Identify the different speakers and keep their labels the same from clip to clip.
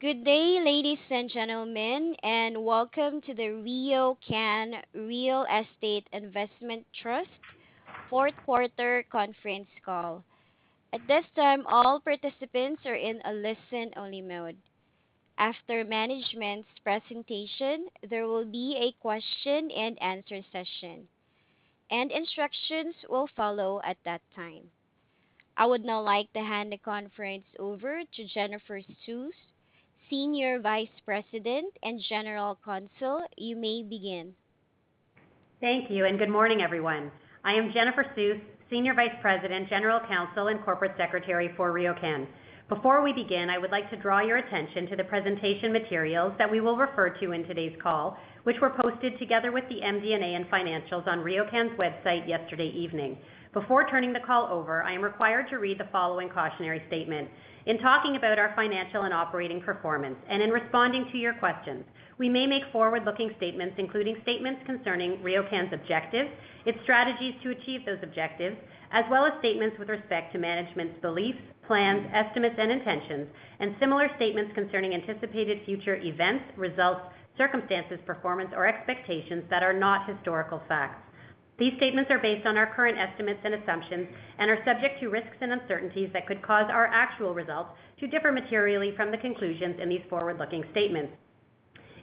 Speaker 1: Good day, ladies and gentlemen, and welcome to the RioCan Real Estate Investment Trust fourth quarter conference call. At this time, all participants are in a listen-only mode. After management's presentation, there will be a question-and-answer session, and instructions will follow at that time. I would now like to hand the conference over to Jennifer Suess, Senior Vice President and General Counsel. You may begin.
Speaker 2: Thank you, and good morning, everyone. I am Jennifer Suess, Senior Vice President, General Counsel, and Corporate Secretary for RioCan. Before we begin, I would like to draw your attention to the presentation materials that we will refer to in today's call, which were posted together with the MD&A and financials on RioCan's website yesterday evening. Before turning the call over, I am required to read the following cautionary statement. In talking about our financial and operating performance, and in responding to your questions, we may make forward-looking statements, including statements concerning RioCan's objectives, its strategies to achieve those objectives, as well as statements with respect to management's beliefs, plans, estimates, and intentions, and similar statements concerning anticipated future events, results, circumstances, performance, or expectations that are not historical facts. These statements are based on our current estimates and assumptions and are subject to risks and uncertainties that could cause our actual results to differ materially from the conclusions in these forward-looking statements.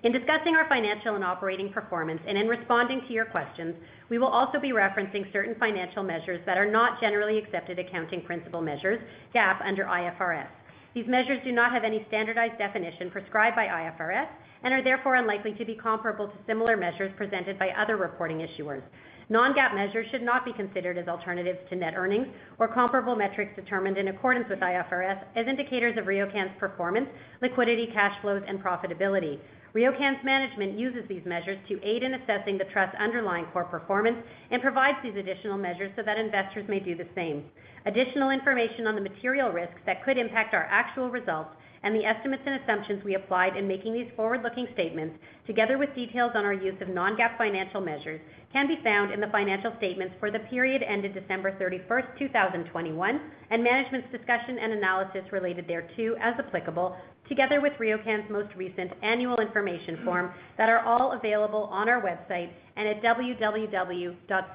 Speaker 2: In discussing our financial and operating performance and in responding to your questions, we will also be referencing certain financial measures that are not generally accepted accounting principles measures, GAAP under IFRS. These measures do not have any standardized definition prescribed by IFRS and are therefore unlikely to be comparable to similar measures presented by other reporting issuers. Non-GAAP measures should not be considered as alternatives to net earnings or comparable metrics determined in accordance with IFRS as indicators of RioCan's performance, liquidity, cash flows, and profitability. RioCan's management uses these measures to aid in assessing the trust's underlying core performance and provides these additional measures so that investors may do the same. Additional information on the material risks that could impact our actual results and the estimates and assumptions we applied in making these forward-looking statements, together with details on our use of non-GAAP financial measures, can be found in the financial statements for the period ended December 31, 2021, and management's discussion and analysis related thereto as applicable, together with RioCan's most recent annual information form that are all available on our website and at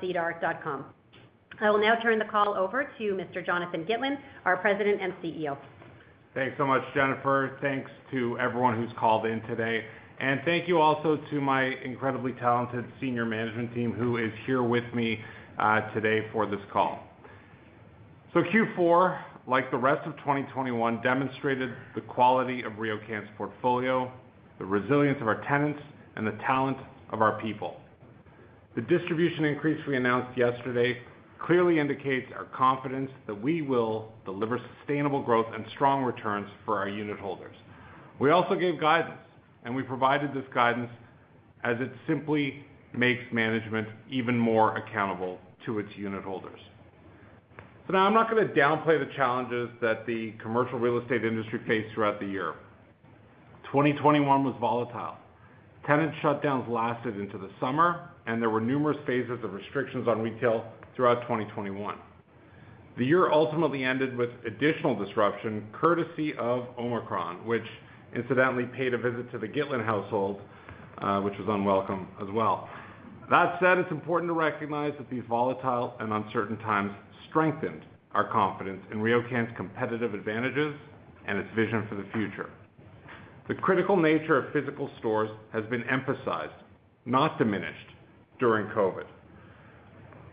Speaker 2: sedar.com. I will now turn the call over to Mr. Jonathan Gitlin, our President and CEO.
Speaker 3: Thanks so much, Jennifer. Thanks to everyone who's called in today. Thank you also to my incredibly talented senior management team who is here with me today for this call. Q4, like the rest of 2021, demonstrated the quality of RioCan's portfolio, the resilience of our tenants, and the talent of our people. The distribution increase we announced yesterday clearly indicates our confidence that we will deliver sustainable growth and strong returns for our unit holders. We also gave guidance, and we provided this guidance as it simply makes management even more accountable to its unit holders. Now I'm not gonna downplay the challenges that the commercial real estate industry faced throughout the year. 2021 was volatile. Tenant shutdowns lasted into the summer, and there were numerous phases of restrictions on retail throughout 2021. The year ultimately ended with additional disruption, courtesy of Omicron, which incidentally paid a visit to the Gitlin household, which was unwelcome as well. That said, it's important to recognize that these volatile and uncertain times strengthened our confidence in RioCan's competitive advantages and its vision for the future. The critical nature of physical stores has been emphasized, not diminished during COVID.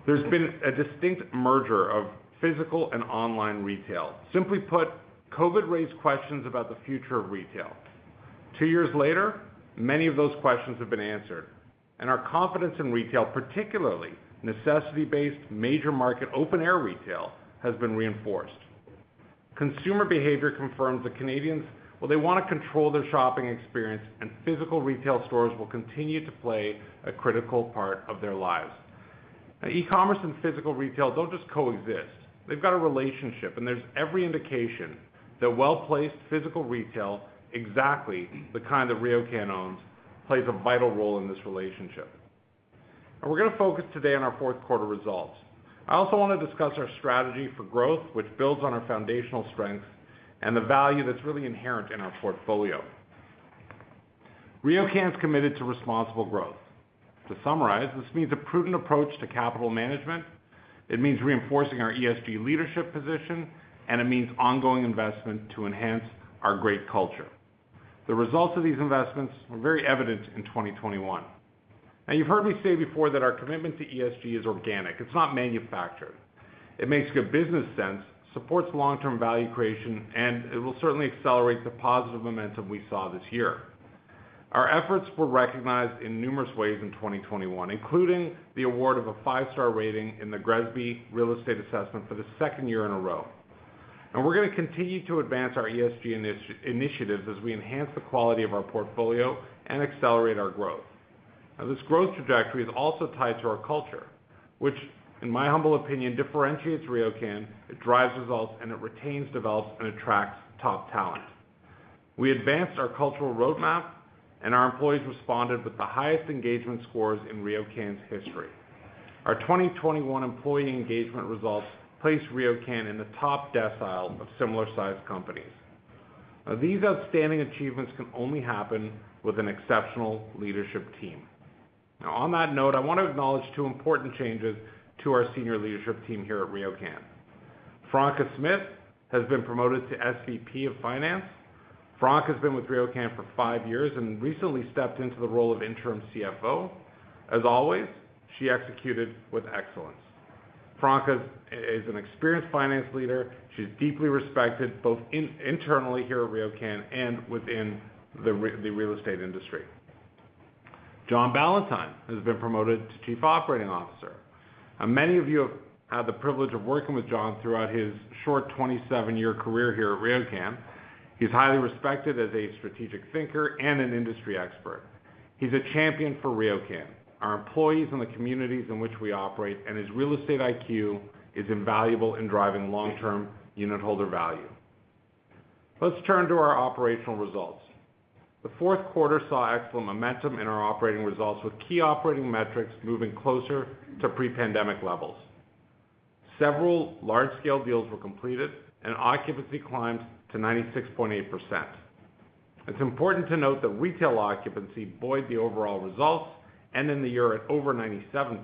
Speaker 3: There's been a distinct merger of physical and online retail. Simply put, COVID raised questions about the future of retail. Two years later, many of those questions have been answered, and our confidence in retail, particularly necessity-based, major market, open-air retail, has been reinforced. Consumer behavior confirms that Canadians, well, they wanna control their shopping experience, and physical retail stores will continue to play a critical part of their lives. Now, e-commerce and physical retail don't just coexist. They've got a relationship, and there's every indication that well-placed physical retail, exactly the kind that RioCan owns, plays a vital role in this relationship. We're gonna focus today on our fourth quarter results. I also wanna discuss our strategy for growth, which builds on our foundational strengths and the value that's really inherent in our portfolio. RioCan's committed to responsible growth. To summarize, this means a prudent approach to capital management, it means reinforcing our ESG leadership position, and it means ongoing investment to enhance our great culture. The results of these investments were very evident in 2021. Now, you've heard me say before that our commitment to ESG is organic. It's not manufactured. It makes good business sense, supports long-term value creation, and it will certainly accelerate the positive momentum we saw this year. Our efforts were recognized in numerous ways in 2021, including the award of a five-star rating in the GRESB real estate assessment for the second year in a row. We're gonna continue to advance our ESG initiatives as we enhance the quality of our portfolio and accelerate our growth. Now, this growth trajectory is also tied to our culture, which in my humble opinion, differentiates RioCan. It drives results, and it retains, develops, and attracts top talent. We advanced our cultural roadmap, and our employees responded with the highest engagement scores in RioCan's history. Our 2021 employee engagement results place RioCan in the top decile of similar sized companies. Now these outstanding achievements can only happen with an exceptional leadership team. Now on that note, I wanna acknowledge two important changes to our senior leadership team here at RioCan. Franca Smith has been promoted to SVP of Finance. Franca has been with RioCan for five years and recently stepped into the role of interim CFO. As always, she executed with excellence. Franca is an experienced finance leader. She's deeply respected both internally here at RioCan and within the real estate industry. John Ballantyne has been promoted to Chief Operating Officer. Many of you have had the privilege of working with John throughout his short 27-year career here at RioCan. He's highly respected as a strategic thinker and an industry expert. He's a champion for RioCan, our employees, and the communities in which we operate, and his real estate IQ is invaluable in driving long-term unitholder value. Let's turn to our operational results. The fourth quarter saw excellent momentum in our operating results with key operating metrics moving closer to pre-pandemic levels. Several large scale deals were completed and occupancy climbed to 96.8%. It's important to note that retail occupancy buoyed the overall results, ending the year at over 97%.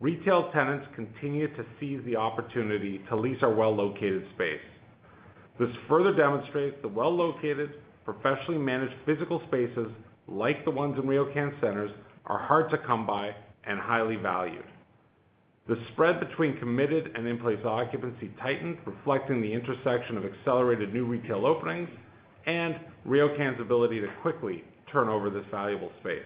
Speaker 3: Retail tenants continue to seize the opportunity to lease our well-located space. This further demonstrates the well-located, professionally managed physical spaces, like the ones in RioCan centers, are hard to come by and highly valued. The spread between committed and in-place occupancy tightened, reflecting the intersection of accelerated new retail openings and RioCan's ability to quickly turn over this valuable space.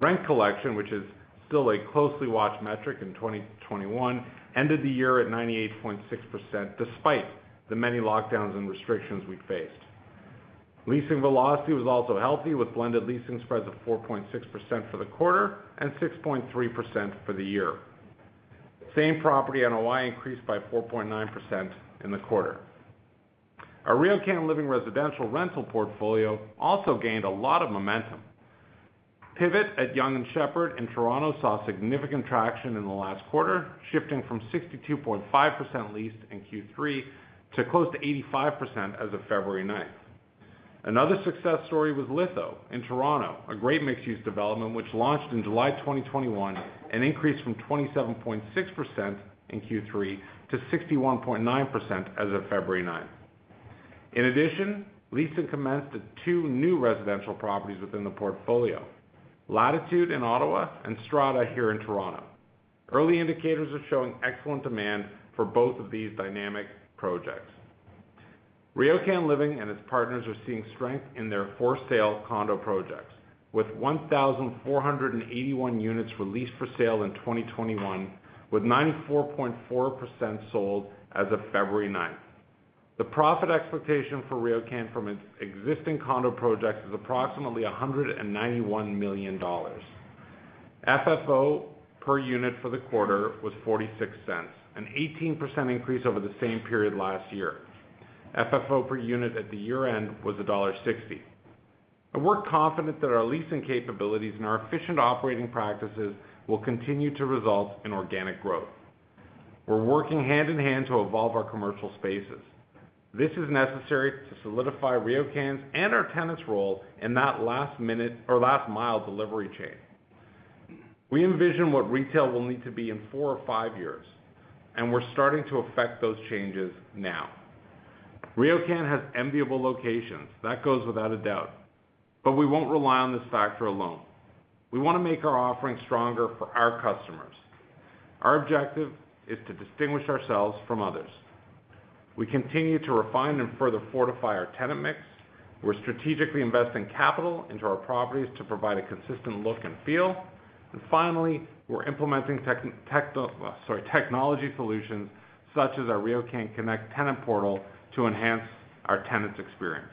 Speaker 3: Rent collection, which is still a closely watched metric in 2021, ended the year at 98.6% despite the many lockdowns and restrictions we faced. Leasing velocity was also healthy with blended leasing spreads of 4.6% for the quarter and 6.3% for the year. Same property NOI increased by 4.9% in the quarter. Our RioCan Living residential rental portfolio also gained a lot of momentum. Pivot at Yonge and Sheppard in Toronto saw significant traction in the last quarter, shifting from 62.5% leased in Q3 to close to 85% as of February 9. Another success story was Litho in Toronto, a great mixed-use development which launched in July 2021 and increased from 27.6% in Q3 to 61.9% as of February 9. In addition, leasing commenced at two new residential properties within the portfolio, Latitude in Ottawa and Strada here in Toronto. Early indicators are showing excellent demand for both of these dynamic projects. RioCan Living and its partners are seeing strength in their for sale condo projects, with 1,481 units released for sale in 2021, with 94.4% sold as of February 9. The profit expectation for RioCan from its existing condo projects is approximately 191 million dollars. FFO per unit for the quarter was 0.46, an 18% increase over the same period last year. FFO per unit at the year-end was dollar 1.60. We're confident that our leasing capabilities and our efficient operating practices will continue to result in organic growth. We're working hand in hand to evolve our commercial spaces. This is necessary to solidify RioCan's and our tenants' role in that last minute or last mile delivery chain. We envision what retail will need to be in four or five years, and we're starting to affect those changes now. RioCan has enviable locations, that goes without a doubt, but we won't rely on this factor alone. We wanna make our offering stronger for our customers. Our objective is to distinguish ourselves from others. We continue to refine and further fortify our tenant mix. We're strategically investing capital into our properties to provide a consistent look and feel. Finally, we're implementing tech, sorry, technology solutions such as our RioCan Connect Tenant Portal to enhance our tenants' experience.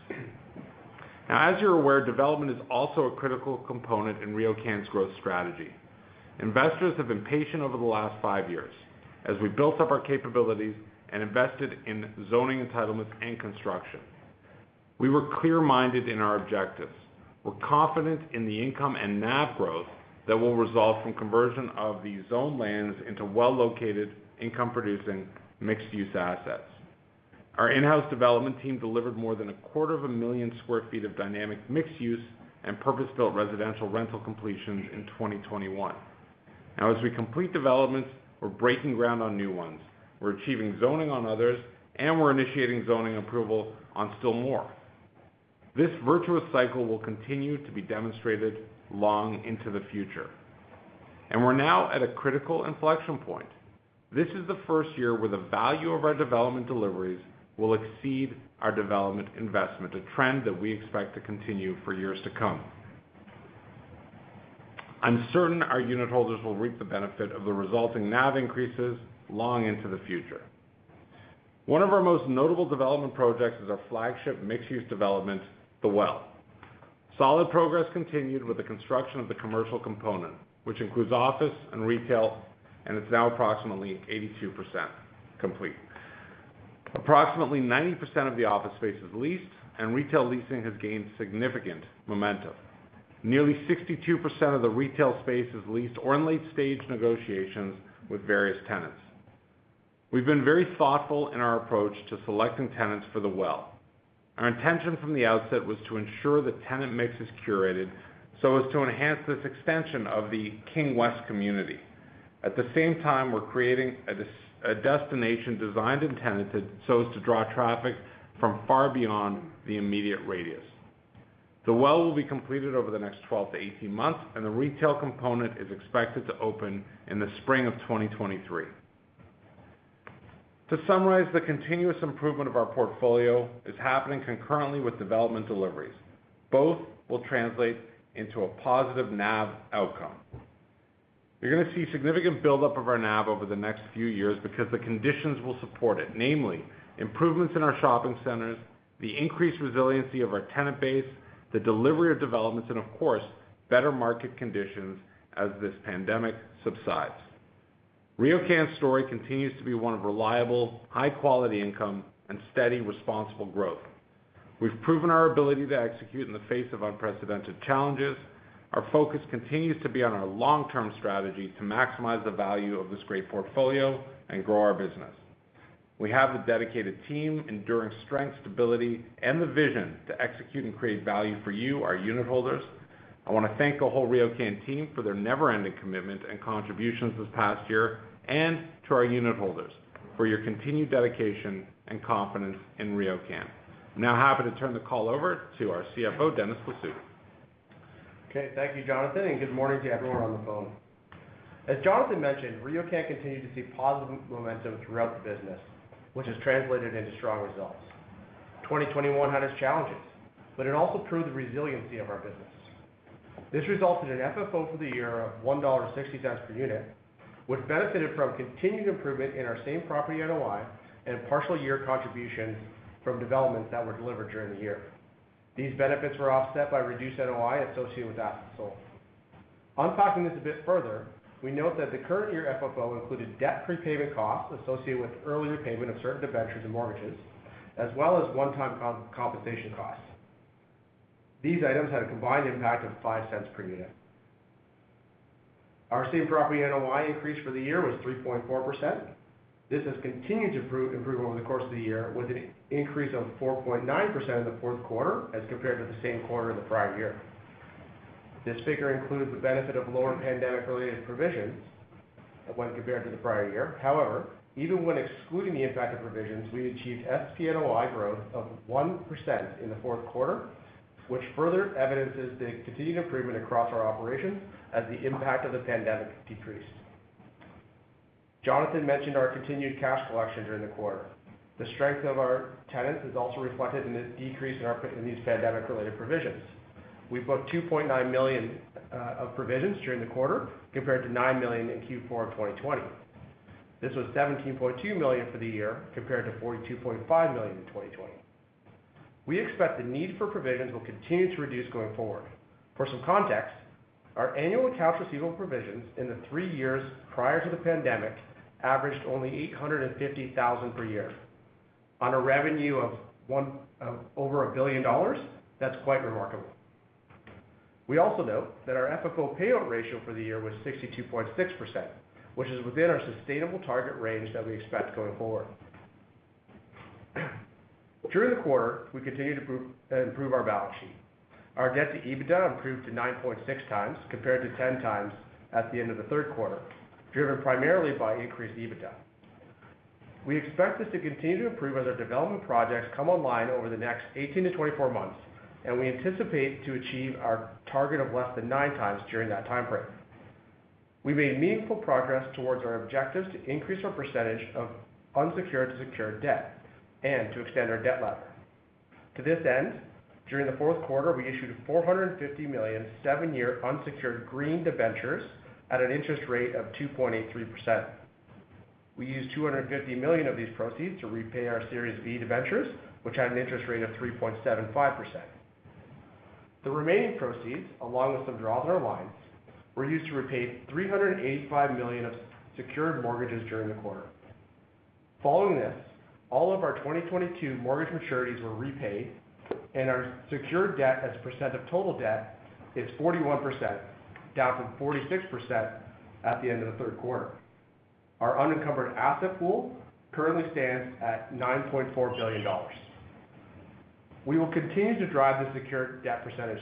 Speaker 3: Now, as you're aware, development is also a critical component in RioCan's growth strategy. Investors have been patient over the last five years as we built up our capabilities and invested in zoning entitlements and construction. We were clear minded in our objectives. We're confident in the income and NAV growth that will result from conversion of the zoned lands into well-located income-producing mixed-use assets. Our in-house development team delivered more than 250,000 sq ft of dynamic mixed-use and purpose-built residential rental completions in 2021. Now as we complete developments, we're breaking ground on new ones. We're achieving zoning on others, and we're initiating zoning approval on still more. This virtuous cycle will continue to be demonstrated long into the future. We're now at a critical inflection point. This is the first year where the value of our development deliveries will exceed our development investment, a trend that we expect to continue for years to come. I'm certain our unitholders will reap the benefit of the resulting NAV increases long into the future. One of our most notable development projects is our flagship mixed-use development, The Well. Solid progress continued with the construction of the commercial component, which includes office and retail, and it's now approximately 82% complete. Approximately 90% of the office space is leased, and retail leasing has gained significant momentum. Nearly 62% of the retail space is leased or in late-stage negotiations with various tenants. We've been very thoughtful in our approach to selecting tenants for The Well. Our intention from the outset was to ensure the tenant mix is curated so as to enhance this extension of the King West community. At the same time, we're creating a destination designed and tenanted so as to draw traffic from far beyond the immediate radius. The Well will be completed over the next 12-18 months, and the retail component is expected to open in the spring of 2023. To summarize, the continuous improvement of our portfolio is happening concurrently with development deliveries. Both will translate into a positive NAV outcome. You're gonna see significant buildup of our NAV over the next few years because the conditions will support it. Namely, improvements in our shopping centers, the increased resiliency of our tenant base, the delivery of developments, and of course, better market conditions as this pandemic subsides. RioCan's story continues to be one of reliable, high-quality income and steady, responsible growth. We've proven our ability to execute in the face of unprecedented challenges. Our focus continues to be on our long-term strategy to maximize the value of this great portfolio and grow our business. We have the dedicated team, enduring strength, stability, and the vision to execute and create value for you, our unitholders. I wanna thank the whole RioCan team for their never-ending commitment and contributions this past year, and to our unitholders for your continued dedication and confidence in RioCan. I'm now happy to turn the call over to our CFO, Dennis Blasutti.
Speaker 4: Okay. Thank you, Jonathan, and good morning to everyone on the phone. As Jonathan mentioned, RioCan continued to see positive momentum throughout the business, which has translated into strong results. 2021 had its challenges, but it also proved the resiliency of our business. This resulted in an FFO for the year of 1.60 dollar per unit, which benefited from continued improvement in our same property NOI and partial year contributions from developments that were delivered during the year. These benefits were offset by reduced NOI associated with assets sold. Unpacking this a bit further, we note that the current year FFO included debt prepayment costs associated with early repayment of certain debentures and mortgages, as well as one-time compensation costs. These items had a combined impact of 0.05 per unit. Our same property NOI increase for the year was 3.4%. This has continued to improve over the course of the year with an increase of 4.9% in the fourth quarter as compared to the same quarter in the prior year. This figure includes the benefit of lower pandemic-related provisions when compared to the prior year. However, even when excluding the impact of provisions, we achieved SPNOI growth of 1% in the fourth quarter, which further evidences the continued improvement across our operations as the impact of the pandemic decreased. Jonathan mentioned our continued cash collection during the quarter. The strength of our tenants is also reflected in the decrease in these pandemic-related provisions. We've booked 2.9 million of provisions during the quarter, compared to 9 million in Q4 of 2020. This was 17.2 million for the year, compared to 42.5 million in 2020. We expect the need for provisions will continue to reduce going forward. For some context, our annual accounts receivable provisions in the three years prior to the pandemic averaged only 850,000 per year. On a revenue of over 1 billion dollars, that's quite remarkable. We also note that our FFO payout ratio for the year was 62.6%, which is within our sustainable target range that we expect going forward. During the quarter, we continued to proactively improve our balance sheet. Our debt to EBITDA improved to 9.6x compared to 10x at the end of the third quarter, driven primarily by increased EBITDA. We expect this to continue to improve as our development projects come online over the next 18-24 months, and we anticipate to achieve our target of less than 9x during that timeframe. We made meaningful progress towards our objectives to increase our percentage of unsecured to secured debt and to extend our debt ladder. To this end, during the fourth quarter, we issued 450 million seven-year unsecured green debentures at an interest rate of 2.83%. We used 250 million of these proceeds to repay our Series V debentures, which had an interest rate of 3.75%. The remaining proceeds, along with some draws on our lines, were used to repay 385 million of secured mortgages during the quarter. Following this, all of our 2022 mortgage maturities were repaid, and our secured debt as a percent of total debt is 41%, down from 46% at the end of the third quarter. Our unencumbered asset pool currently stands at 9.4 billion dollars. We will continue to drive the secured debt percentage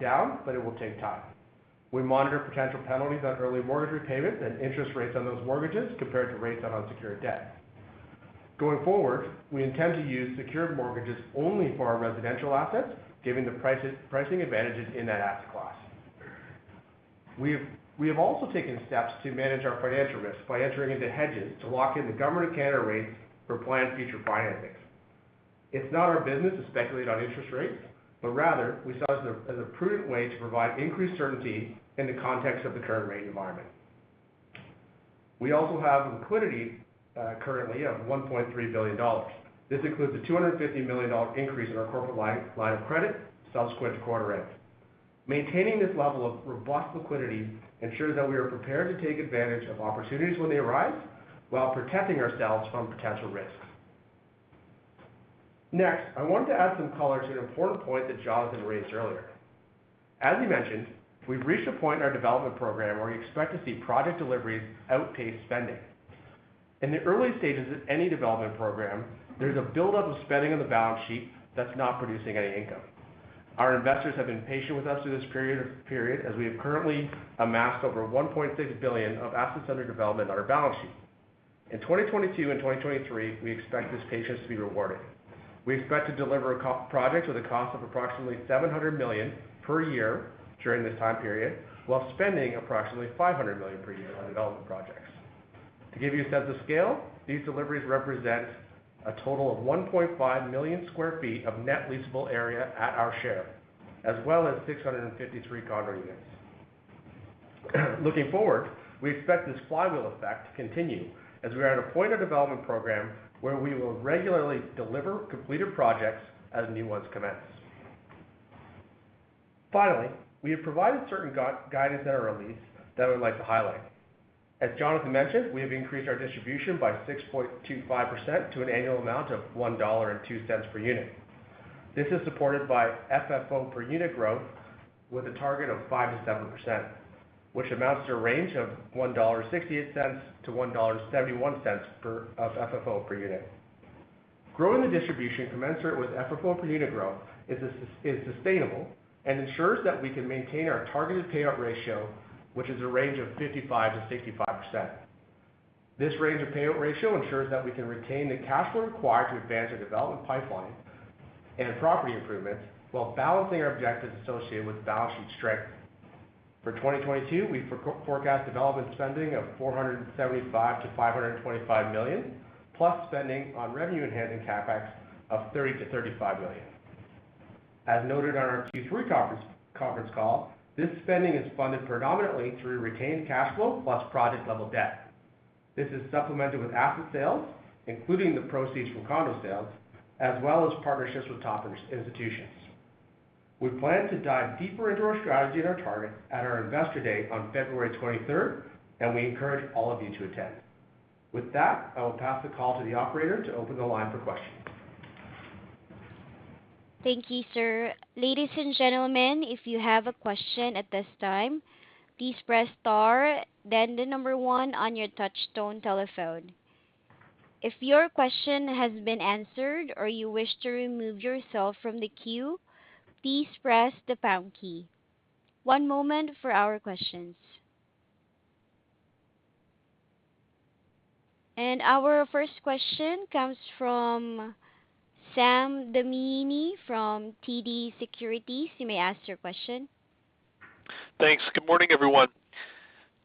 Speaker 4: down, but it will take time. We monitor potential penalties on early mortgage repayments and interest rates on those mortgages compared to rates on unsecured debt. Going forward, we intend to use secured mortgages only for our residential assets, given the pricing advantages in that asset class. We have also taken steps to manage our financial risk by entering into hedges to lock in the Government of Canada rates for planned future financings. It's not our business to speculate on interest rates, but rather we saw it as a prudent way to provide increased certainty in the context of the current rate environment. We also have liquidity currently of 1.3 billion dollars. This includes a 250 million dollar increase in our corporate line of credit subsequent to quarter end. Maintaining this level of robust liquidity ensures that we are prepared to take advantage of opportunities when they arise, while protecting ourselves from potential risks. Next, I wanted to add some color to an important point that Jonathan raised earlier. As he mentioned, we've reached a point in our development program where we expect to see project deliveries outpace spending. In the early stages of any development program, there's a buildup of spending on the balance sheet that's not producing any income. Our investors have been patient with us through this period, as we have currently amassed over 1.6 billion of assets under development on our balance sheet. In 2022 and 2023, we expect this patience to be rewarded. We expect to deliver a couple of projects with a cost of approximately 700 million per year during this time period, while spending approximately 500 million per year on development projects. To give you a sense of scale, these deliveries represent a total of 1.5 million sq ft of net leasable area at our share, as well as 653 condo units. Looking forward, we expect this flywheel effect to continue as we are at a point of development program where we will regularly deliver completed projects as new ones commence. Finally, we have provided certain guidance at our release that I would like to highlight. As Jonathan mentioned, we have increased our distribution by 6.25% to an annual amount of 1.02 dollar per unit. This is supported by FFO per unit growth with a target of 5%-7%, which amounts to a range of 1.68-1.71 dollar of FFO per unit. Growing the distribution commensurate with FFO per unit growth is sustainable and ensures that we can maintain our targeted payout ratio, which is a range of 55%-65%. This range of payout ratio ensures that we can retain the cash flow required to advance our development pipeline and property improvements while balancing our objectives associated with balance sheet strength. For 2022, we forecast development spending of 475 million-525 million, plus spending on revenue-enhancing CapEx of 30 million-35 million. As noted on our Q3 conference call, this spending is funded predominantly through retained cash flow plus project-level debt. This is supplemented with asset sales, including the proceeds from condo sales, as well as partnerships with top institutions. We plan to dive deeper into our strategy and our targets at our Investor Day on February 23rd, and we encourage all of you to attend. With that, I will pass the call to the operator to open the line for questions.
Speaker 1: Thank you, sir. Ladies and gentlemen, if you have a question at this time, please press star then the number one on your touchtone telephone. If your question has been answered or you wish to remove yourself from the queue, please press the pound key. One moment for our questions. One moment for our questions. Our first question comes from Sam Damiani from TD Securities. You may ask your question.
Speaker 5: Thanks. Good morning, everyone.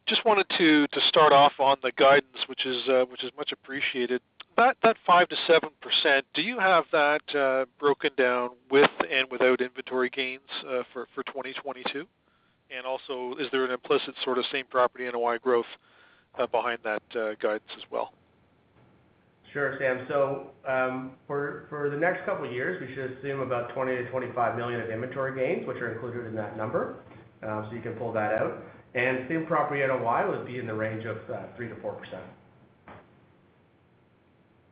Speaker 5: Just wanted to start off on the guidance, which is much appreciated. That 5%-7%, do you have that broken down with and without inventory gains for 2022? Also, is there an implicit sort of same-property NOI growth behind that guidance as well?
Speaker 4: Sure, Sam. For the next couple of years, we should assume about 20 million-25 million of inventory gains, which are included in that number. You can pull that out. Same-property NOI would be in the range of 3%-4%.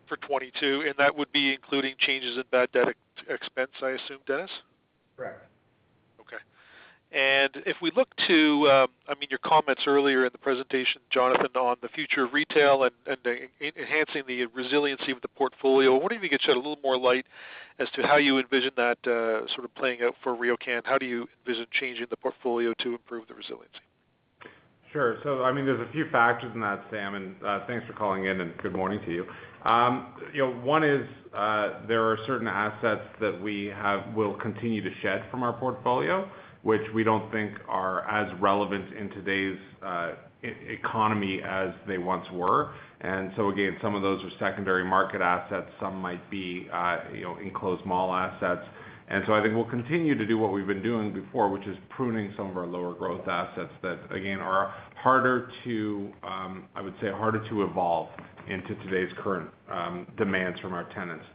Speaker 5: For 2022, and that would be including changes in bad debt expense, I assume, Dennis?
Speaker 4: Correct.
Speaker 5: Okay. If we look to, I mean, your comments earlier in the presentation, Jonathan, on the future of retail and enhancing the resiliency of the portfolio, I was wondering if you could shed a little more light as to how you envision that sort of playing out for RioCan. How do you envision changing the portfolio to improve the resiliency?
Speaker 3: Sure. I mean, there's a few factors in that, Sam, and thanks for calling in, and good morning to you. You know, one is there are certain assets that we'll continue to shed from our portfolio, which we don't think are as relevant in today's economy as they once were. Again, some of those are secondary market assets, some might be enclosed mall assets. I think we'll continue to do what we've been doing before, which is pruning some of our lower growth assets that, again, are harder to, I would say, evolve into today's current demands from our tenants.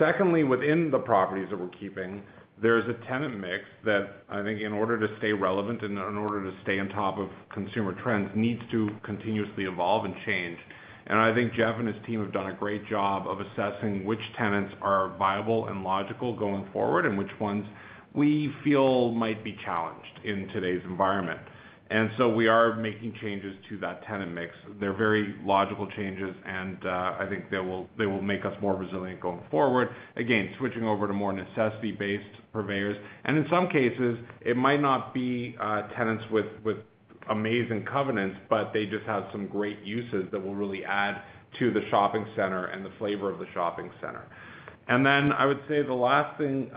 Speaker 3: Secondly, within the properties that we're keeping, there's a tenant mix that I think in order to stay relevant and in order to stay on top of consumer trends, needs to continuously evolve and change. I think Jeff and his team have done a great job of assessing which tenants are viable and logical going forward and which ones we feel might be challenged in today's environment. We are making changes to that tenant mix. They're very logical changes, and I think they will make us more resilient going forward. Again, switching over to more necessity-based purveyors. In some cases, it might not be tenants with amazing covenants, but they just have some great uses that will really add to the shopping center and the flavor of the shopping center. I would say the last thing,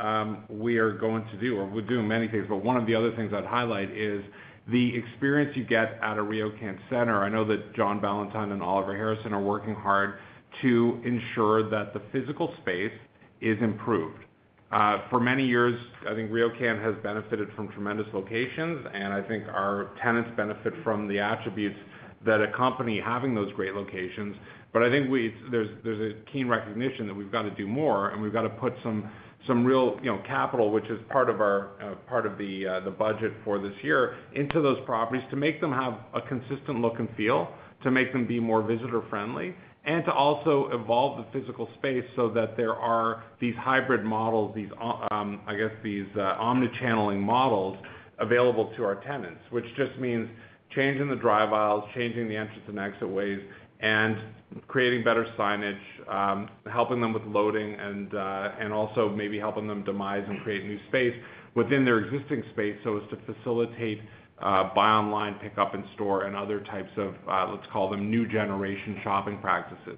Speaker 3: we are going to do, or we do in many cases, but one of the other things I'd highlight is the experience you get at a RioCan center. I know that John Ballantyne and Oliver Harrison are working hard to ensure that the physical space is improved. For many years, I think RioCan has benefited from tremendous locations, and I think our tenants benefit from the attributes that a company having those great locations. I think there's a keen recognition that we've got to do more, and we've got to put some real, you know, capital, which is part of our budget for this year into those properties to make them have a consistent look and feel, to make them be more visitor friendly, and to also evolve the physical space so that there are these hybrid models, these I guess these omni-channel models available to our tenants. Which just means changing the drive aisles, changing the entrance and exit ways, and creating better signage, helping them with loading and also maybe helping them demise and create new space within their existing space so as to facilitate buy online, pick up in store and other types of, let's call them new generation shopping practices.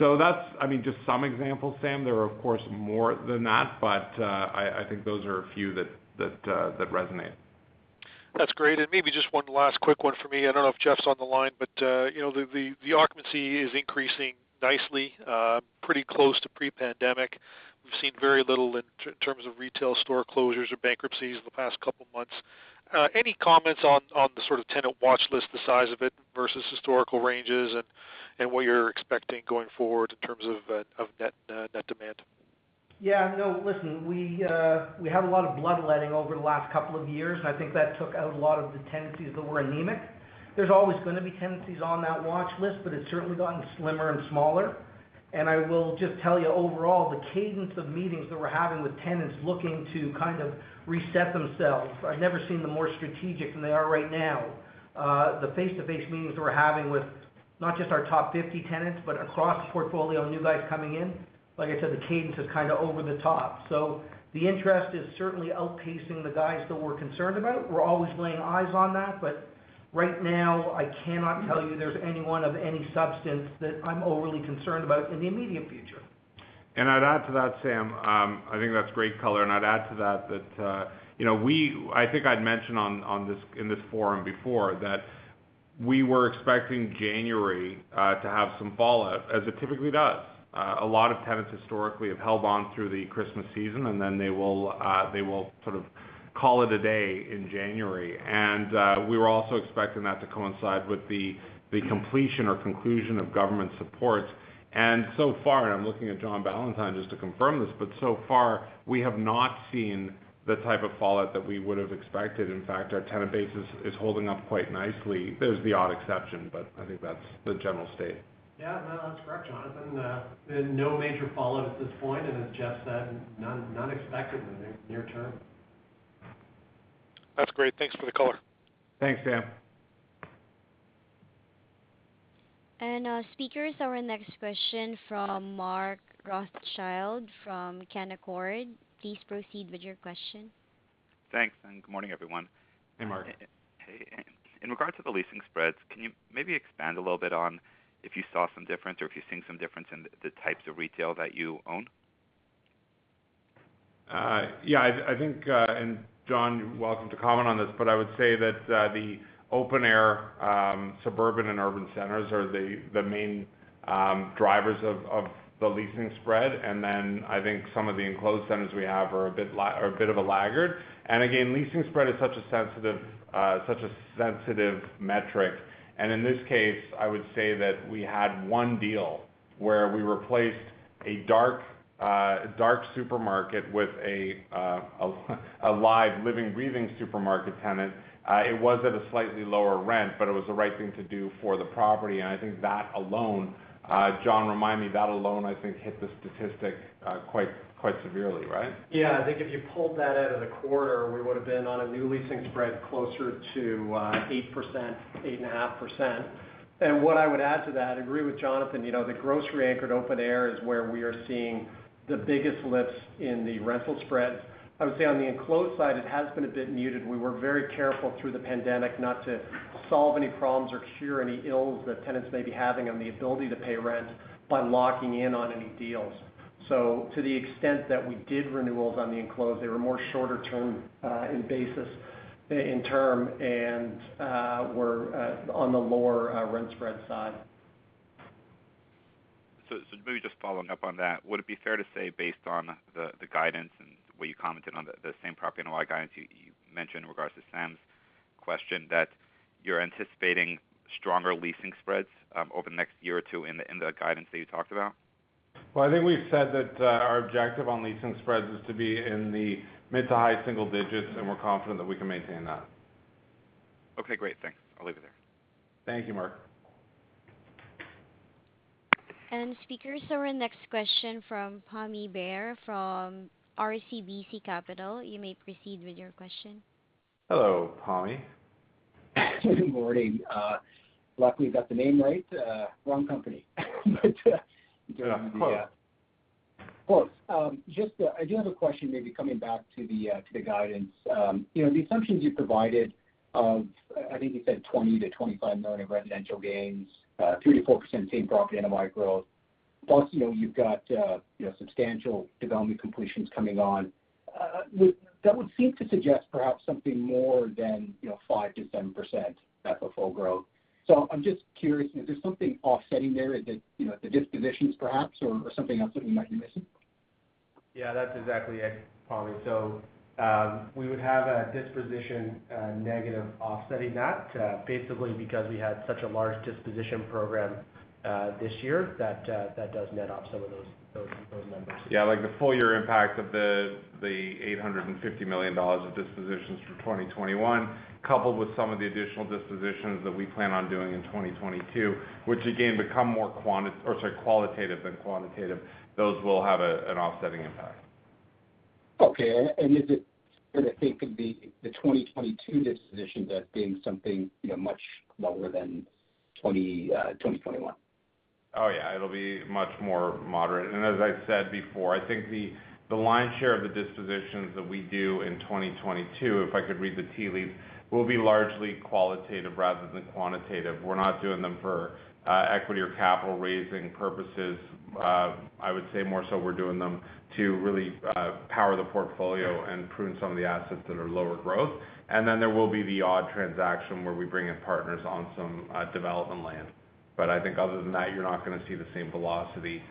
Speaker 3: That's, I mean, just some examples, Sam. There are of course more than that, but I think those are a few that resonate.
Speaker 5: That's great. Maybe just one last quick one for me. I don't know if Jeff's on the line, but you know, the occupancy is increasing nicely, pretty close to pre-pandemic. We've seen very little in terms of retail store closures or bankruptcies in the past couple of months. Any comments on the sort of tenant watch list, the size of it versus historical ranges and what you're expecting going forward in terms of net demand?
Speaker 6: We had a lot of bloodletting over the last couple of years, and I think that took out a lot of the tenancies that were anemic. There's always gonna be tenancies on that watch list, but it's certainly gotten slimmer and smaller. I will just tell you overall, the cadence of meetings that we're having with tenants looking to kind of reset themselves. I've never seen them more strategic than they are right now. The face-to-face meetings that we're having with not just our top 50 tenants, but across the portfolio, new guys coming in, like I said, the cadence is kind of over the top. The interest is certainly outpacing the guys that we're concerned about. We're always laying eyes on that. Right now, I cannot tell you there's anyone of any substance that I'm overly concerned about in the immediate future.
Speaker 3: I'd add to that, Sam, I think that's great color. I'd add to that you know, I think I'd mentioned on this in this forum before, that we were expecting January to have some fallout as it typically does. A lot of tenants historically have held on through the Christmas season, and then they will sort of call it a day in January. We were also expecting that to coincide with the completion or conclusion of government support. So far, I'm looking at John Ballantyne just to confirm this, but so far we have not seen the type of fallout that we would have expected. In fact, our tenant base is holding up quite nicely. There's the odd exception, but I think that's the general state.
Speaker 7: Yeah. No, that's correct, Jonathan. There's been no major fallout at this point, and as Jeff said, none expected in the near term.
Speaker 5: That's great. Thanks for the color.
Speaker 7: Thanks, Sam.
Speaker 1: Speakers, our next question from Mark Rothschild from Canaccord Genuity. Please proceed with your question.
Speaker 8: Thanks, and good morning, everyone.
Speaker 3: Hey, Mark.
Speaker 8: Hey. In regard to the leasing spreads, can you maybe expand a little bit on if you saw some difference or if you're seeing some difference in the types of retail that you own?
Speaker 3: I think, and John, you're welcome to comment on this, but I would say that the open air suburban and urban centers are the main drivers of the leasing spread. I think some of the enclosed centers we have are a bit of a laggard. Leasing spread is such a sensitive metric. In this case, I would say that we had one deal where we replaced a dark supermarket with a live, living, breathing supermarket tenant. It was at a slightly lower rent, but it was the right thing to do for the property. I think that alone, John, remind me, that alone, I think hit the statistic quite severely, right?
Speaker 7: Yeah. I think if you pulled that out of the quarter, we would have been on a new leasing spread closer to 8%, 8.5%. What I would add to that, agree with Jonathan, you know, the grocery anchored open air is where we are seeing the biggest lifts in the rental spreads. I would say on the enclosed side, it has been a bit muted. We were very careful through the pandemic not to solve any problems or cure any ills that tenants may be having on the ability to pay rent by locking in on any deals. To the extent that we did renewals on the enclosed, they were shorter term in basis in term and were on the lower rent spread side.
Speaker 8: Maybe just following up on that. Would it be fair to say based on the guidance and what you commented on the same property NOI guidance you mentioned in regards to Sam's question, that you're anticipating stronger leasing spreads over the next year or two in the guidance that you talked about?
Speaker 3: Well, I think we've said that, our objective on leasing spreads is to be in the mid- to high-single digits, and we're confident that we can maintain that.
Speaker 8: Okay, great. Thanks. I'll leave it there.
Speaker 3: Thank you, Mark.
Speaker 1: Speakers, our next question from Pammi Bir from RBC Capital Markets. You may proceed with your question.
Speaker 3: Hello, Pammi.
Speaker 9: Good morning. Luckily you got the name right, wrong company.
Speaker 3: Yeah. Of course.
Speaker 9: Well, just, I do have a question maybe coming back to the to the guidance. You know, the assumptions you provided of, I think you said 20 million-25 million in residential gains, 3%-4% same-property NOI growth. Plus, you know, you've got, you know, substantial development completions coming on. That would seem to suggest perhaps something more than, you know, 5%-7% FFO growth. I'm just curious, is there something offsetting there that, you know, the dispositions perhaps or something else that we might be missing?
Speaker 4: Yeah, that's exactly it, Pammi. We would have a disposition negative offsetting that basically because we had such a large disposition program this year that that does net off some of those numbers.
Speaker 3: Yeah, like the full year impact of the 850 million dollars of dispositions for 2021, coupled with some of the additional dispositions that we plan on doing in 2022, which again become more qualitative than quantitative. Those will have an offsetting impact.
Speaker 9: Okay. Is it fair to think of the 2022 dispositions as being something, you know, much lower than 2021?
Speaker 3: Oh, yeah, it'll be much more moderate. As I said before, I think the lion's share of the dispositions that we do in 2022, if I could read the tea leaves, will be largely qualitative rather than quantitative. We're not doing them for equity or capital raising purposes. I would say more so we're doing them to really power the portfolio and prune some of the assets that are lower growth. Then there will be the odd transaction where we bring in partners on some development land. I think other than that, you're not gonna see the same velocity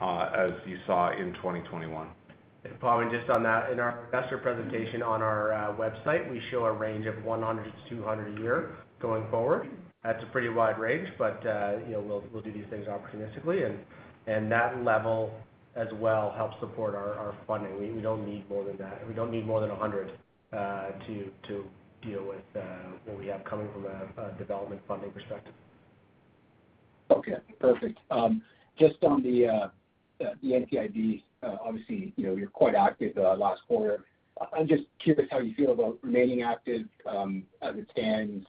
Speaker 3: as you saw in 2021.
Speaker 4: Pammi, just on that, in our investor presentation on our website, we show a range of 100-200 year going forward. That's a pretty wide range, but you know, we'll do these things opportunistically. That level as well helps support our funding. We don't need more than that. We don't need more than 100 to deal with what we have coming from a development funding perspective.
Speaker 9: Okay, perfect. Just on the NCIB, obviously, you know, you're quite active last quarter. I'm just curious how you feel about remaining active as it stands.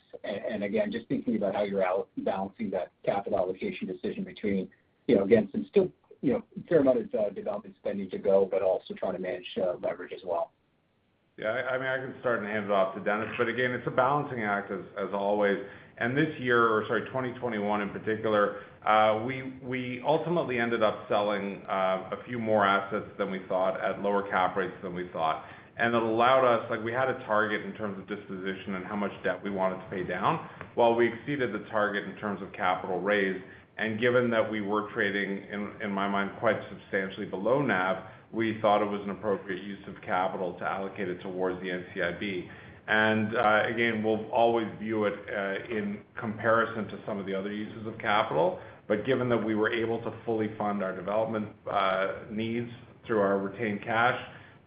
Speaker 9: Again, just thinking about how you're balancing that capital allocation decision between, you know, again, some still, you know, a fair amount of development spending to go, but also trying to manage leverage as well.
Speaker 3: Yeah, I mean, I can start and hand it off to Dennis. Again, it's a balancing act as always. This year, or sorry, 2021 in particular, we ultimately ended up selling a few more assets than we thought at lower cap rates than we thought. It allowed us, like we had a target in terms of disposition and how much debt we wanted to pay down. While we exceeded the target in terms of capital raised, and given that we were trading in my mind quite substantially below NAV, we thought it was an appropriate use of capital to allocate it towards the NCIB. Again, we'll always view it in comparison to some of the other uses of capital. Given that we were able to fully fund our development needs through our retained cash,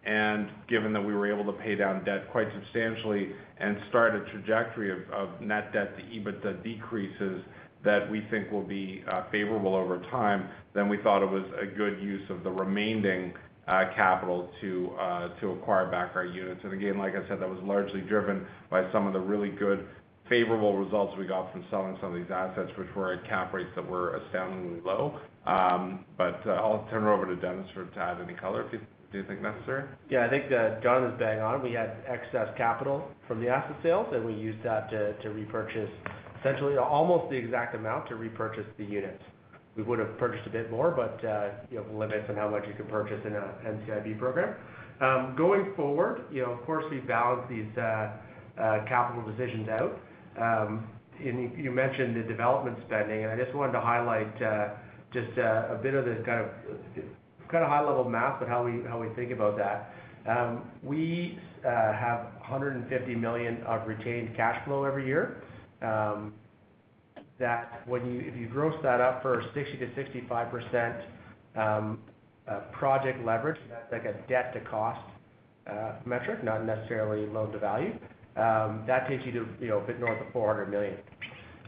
Speaker 3: and given that we were able to pay down debt quite substantially and start a trajectory of net debt to EBITDA decreases that we think will be favorable over time, then we thought it was a good use of the remaining capital to acquire back our units. Again, like I said, that was largely driven by some of the really good favorable results we got from selling some of these assets, which were at cap rates that were astoundingly low. I'll turn it over to Dennis to add any color if you think necessary.
Speaker 4: Yeah. I think that John is bang on. We had excess capital from the asset sales, and we used that to repurchase essentially almost the exact amount to repurchase the units. We would have purchased a bit more, but you have limits on how much you can purchase in a NCIB program. Going forward, you know, of course, we balance these capital decisions out. You mentioned the development spending, and I just wanted to highlight a bit of the kind of high-level math of how we think about that. We have 150 million of retained cash flow every year. if you gross that up for 60%-65% project leverage, that's like a debt-to-cost metric, not necessarily loan-to-value, that takes you to, you know, a bit north of 400 million.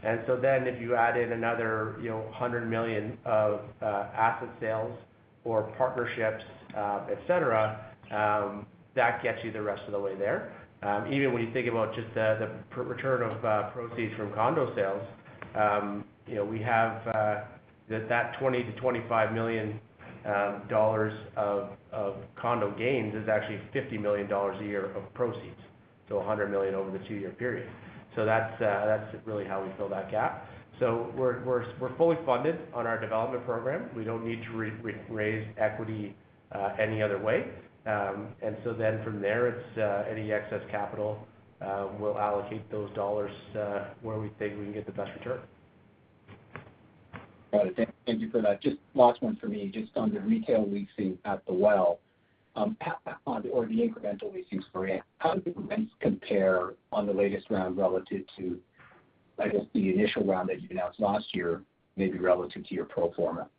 Speaker 4: If you add in another, you know, 100 million of asset sales or partnerships, et cetera, that gets you the rest of the way there. Even when you think about just the return of proceeds from condo sales, you know, we have that 20 million-25 million dollars of condo gains is actually 50 million dollars a year of proceeds. 100 million over the two-year period. That's really how we fill that gap. We're fully funded on our development program. We don't need to re-raise equity any other way. From there, it's any excess capital we'll allocate those dollars where we think we can get the best return.
Speaker 9: Got it. Thank you for that. Just last one for me. Just on the retail leasing at The Well, or the incremental leasing for it, how do the rents compare on the latest round relative to, I guess, the initial round that you announced last year, maybe relative to your pro forma?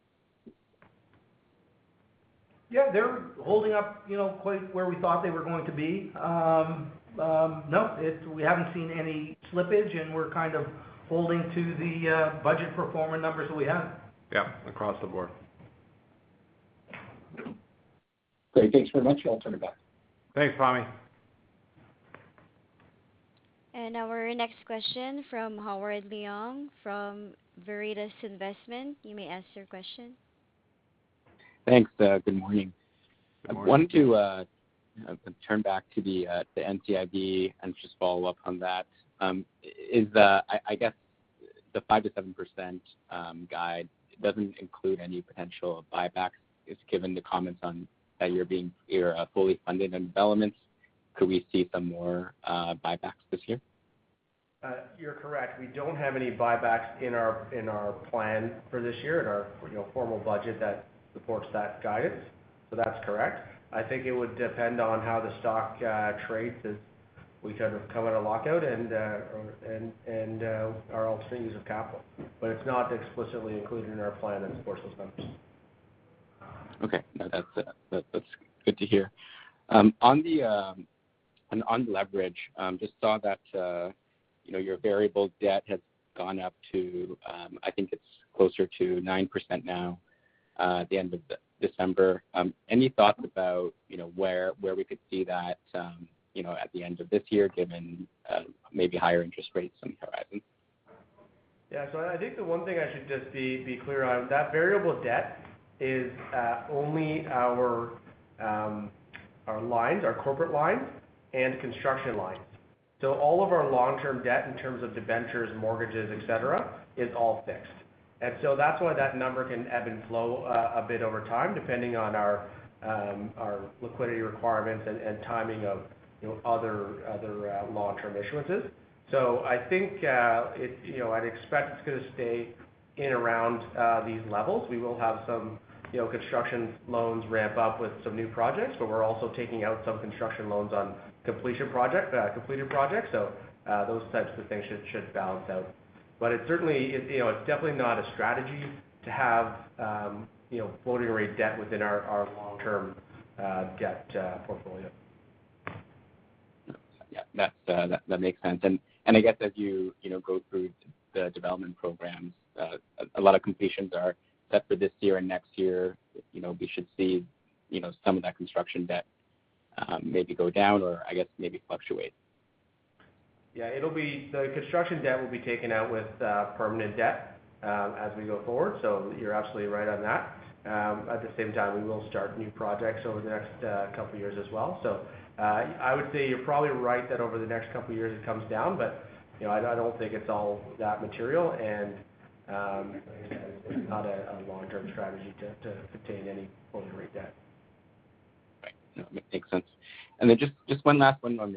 Speaker 4: Yeah, they're holding up, you know, quite where we thought they were going to be. No, we haven't seen any slippage, and we're kind of holding to the budget pro forma numbers that we had.
Speaker 3: Yeah, across the board.
Speaker 9: Great. Thanks very much. I'll turn it back.
Speaker 3: Thanks, Pammi.
Speaker 1: Our next question from Howard Leung from Veritas Investment. You may ask your question.
Speaker 10: Thanks. Good morning.
Speaker 3: Good morning.
Speaker 10: Wanted to turn back to the NCIB and just follow up on that. I guess the 5%-7% guide doesn't include any potential buybacks. Just given the comments on that you're fully funded in developments, could we see some more buybacks this year?
Speaker 4: You're correct. We don't have any buybacks in our plan for this year, you know, formal budget that supports that guidance. That's correct. I think it would depend on how the stock trades as we kind of come out of lockout and our alternatives of capital. It's not explicitly included in our plan as far as this goes.
Speaker 10: Okay. No, that's good to hear. On leverage, just saw that, you know, your variable debt has gone up to, I think it's closer to 9% now, at the end of December. Any thoughts about, you know, where we could see that, you know, at the end of this year, given maybe higher interest rates on the horizon?
Speaker 4: Yeah. I think the one thing I should just be clear on is that variable debt is only our lines, our corporate lines and construction lines. All of our long-term debt in terms of debentures, mortgages, et cetera, is all fixed. That's why that number can ebb and flow a bit over time, depending on our liquidity requirements and timing of, you know, other long-term issuances. I think. You know, I'd expect it's gonna stay around these levels. We will have some, you know, construction loans ramp up with some new projects, but we're also taking out some construction loans on completed projects. Those types of things should balance out. It certainly, you know, it's definitely not a strategy to have, you know, floating rate debt within our long-term debt portfolio.
Speaker 10: Yeah. That makes sense. I guess as you know, go through the development programs, a lot of completions are set for this year and next year. You know, we should see, you know, some of that construction debt, maybe go down or, I guess, maybe fluctuate.
Speaker 4: Yeah. The construction debt will be taken out with permanent debt as we go forward. You're absolutely right on that. At the same time, we will start new projects over the next couple years as well. I would say you're probably right that over the next couple of years it comes down. You know, I don't think it's all that material. Like I said, it's not a long-term strategy to obtain any floating rate debt.
Speaker 10: Right. No, makes sense. Just one last one on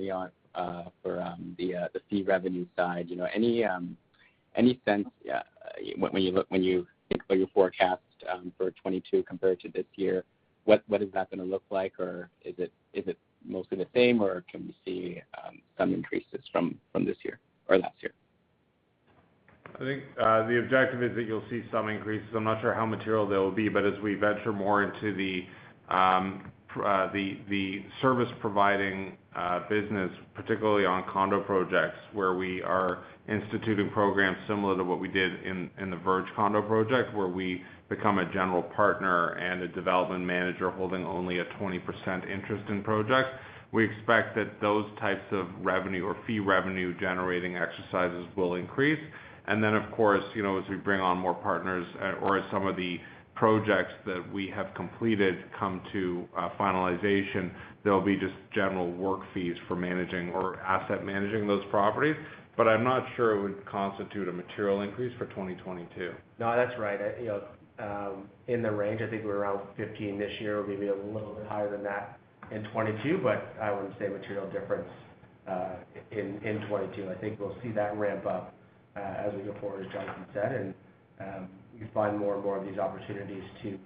Speaker 10: the fee revenue side. You know, any sense, yeah, when you think about your forecast for 2022 compared to this year, what is that gonna look like? Is it mostly the same, or can we see some increases from this year or last year?
Speaker 3: I think the objective is that you'll see some increases. I'm not sure how material they'll be, but as we venture more into the the service providing business, particularly on condo projects, where we are instituting programs similar to what we did in the Verge condo project, where we become a general partner and a development manager holding only a 20% interest in projects, we expect that those types of revenue or fee revenue generating exercises will increase. Then, of course, you know, as we bring on more partners or as some of the projects that we have completed come to finalization, there'll be just general work fees for managing or asset managing those properties. I'm not sure it would constitute a material increase for 2022.
Speaker 4: No, that's right. You know, in the range, I think we're around 15 this year. We'll be a little bit higher than that in 2022, but I wouldn't say material difference in 2022. I think we'll see that ramp up as we go forward, as Jonathan said, and we find more and more of these opportunities to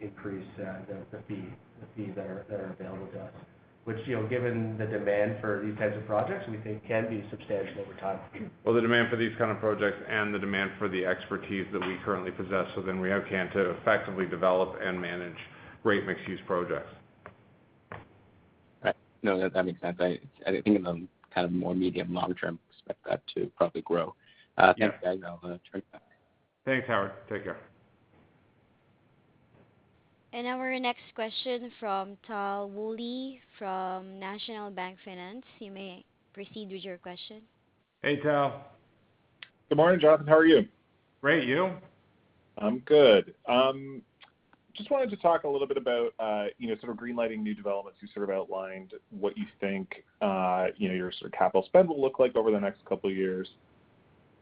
Speaker 4: increase the fees that are available to us. Which, you know, given the demand for these types of projects, we think can be substantial over time.
Speaker 3: Well, the demand for these kind of projects and the demand for the expertise that we currently possess within RioCan to effectively develop and manage great mixed-use projects.
Speaker 10: Right. No, that makes sense. I think in the kind of more medium long term, expect that to probably grow.
Speaker 3: Yeah.
Speaker 10: Thanks, guys. I'll turn it back.
Speaker 3: Thanks, Howard. Take care.
Speaker 1: Our next question from Tal Woolley from National Bank Financial. You may proceed with your question.
Speaker 3: Hey, Tal.
Speaker 11: Good morning, Jonathan. How are you?
Speaker 3: Great. You?
Speaker 11: I'm good. Just wanted to talk a little bit about, you know, sort of green-lighting new developments. You sort of outlined what you think, you know, your sort of capital spend will look like over the next couple of years.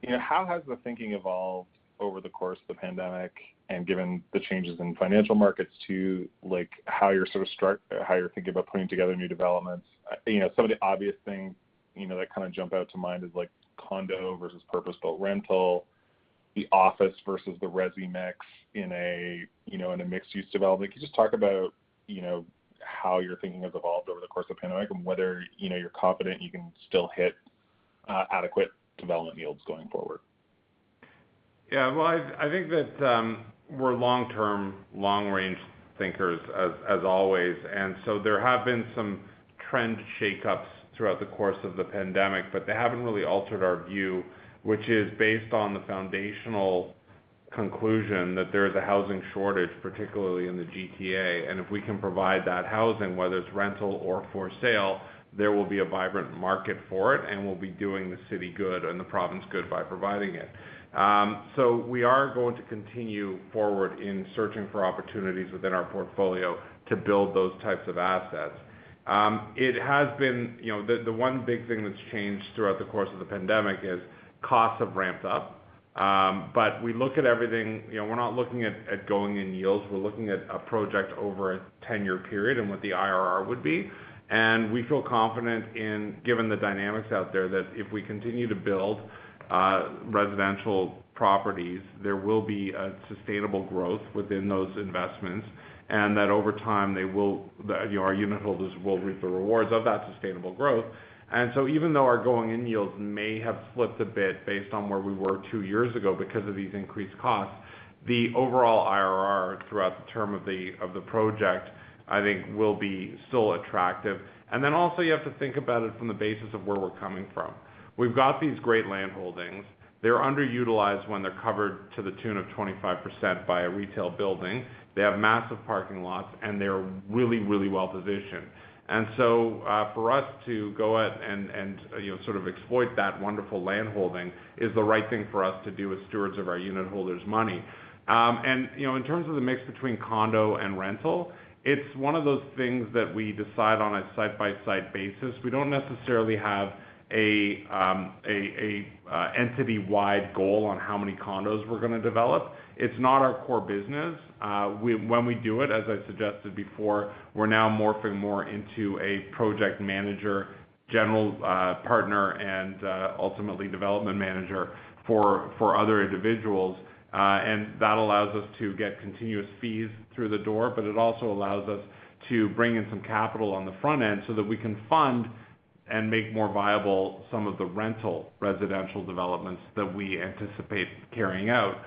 Speaker 11: You know, how has the thinking evolved over the course of the pandemic and given the changes in financial markets to, like, how you're thinking about putting together new developments? You know, some of the obvious things, you know, that kind of jump out to mind is, like, condo versus purpose-built rental, the office versus the resi mix in a, you know, in a mixed-use development. Can you just talk about, you know, how your thinking has evolved over the course of the pandemic and whether, you know, you're confident you can still hit adequate development yields going forward?
Speaker 3: Well, I think that we're long-term, long-range thinkers as always. There have been some trend shakeups throughout the course of the pandemic, but they haven't really altered our view, which is based on the foundational conclusion that there is a housing shortage, particularly in the GTA. If we can provide that housing, whether it's rental or for sale, there will be a vibrant market for it, and we'll be doing the city good and the province good by providing it. We are going to continue forward in searching for opportunities within our portfolio to build those types of assets. It has been the one big thing that's changed throughout the course of the pandemic is costs have ramped up. We look at everything. You know, we're not looking at going in yields. We're looking at a project over a 10-year period and what the IRR would be. We feel confident in, given the dynamics out there, that if we continue to build residential properties, there will be a sustainable growth within those investments, and that over time, they will, you know, our unitholders will reap the rewards of that sustainable growth. Even though our going-in yields may have slipped a bit based on where we were two years ago because of these increased costs, the overall IRR throughout the term of the project, I think, will be still attractive. You have to think about it from the basis of where we're coming from. We've got these great landholdings. They're underutilized when they're covered to the tune of 25% by a retail building. They have massive parking lots, and they're really, really well-positioned. For us to go out and, you know, sort of exploit that wonderful landholding is the right thing for us to do as stewards of our unitholders' money. You know, in terms of the mix between condo and rental, it's one of those things that we decide on a site-by-site basis. We don't necessarily have a entity-wide goal on how many condos we're gonna develop. It's not our core business. When we do it, as I suggested before, we're now morphing more into a project manager, general partner, and ultimately development manager for other individuals. That allows us to get continuous fees through the door, but it also allows us to bring in some capital on the front end so that we can fund and make more viable some of the rental residential developments that we anticipate carrying out.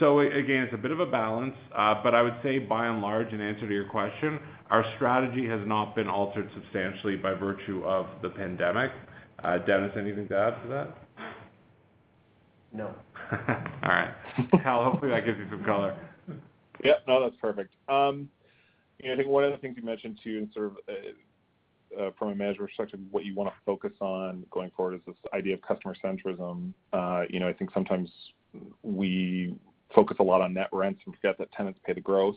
Speaker 3: Again, it's a bit of a balance. I would say by and large, in answer to your question, our strategy has not been altered substantially by virtue of the pandemic. Dennis, anything to add to that?
Speaker 4: No.
Speaker 3: All right. Tal, hopefully that gives you some color.
Speaker 11: Yeah. No, that's perfect. Yeah, I think one of the things you mentioned too in sort of, from a management perspective, what you wanna focus on going forward is this idea of customer centrism. You know, I think sometimes we focus a lot on net rents and forget that tenants pay the gross.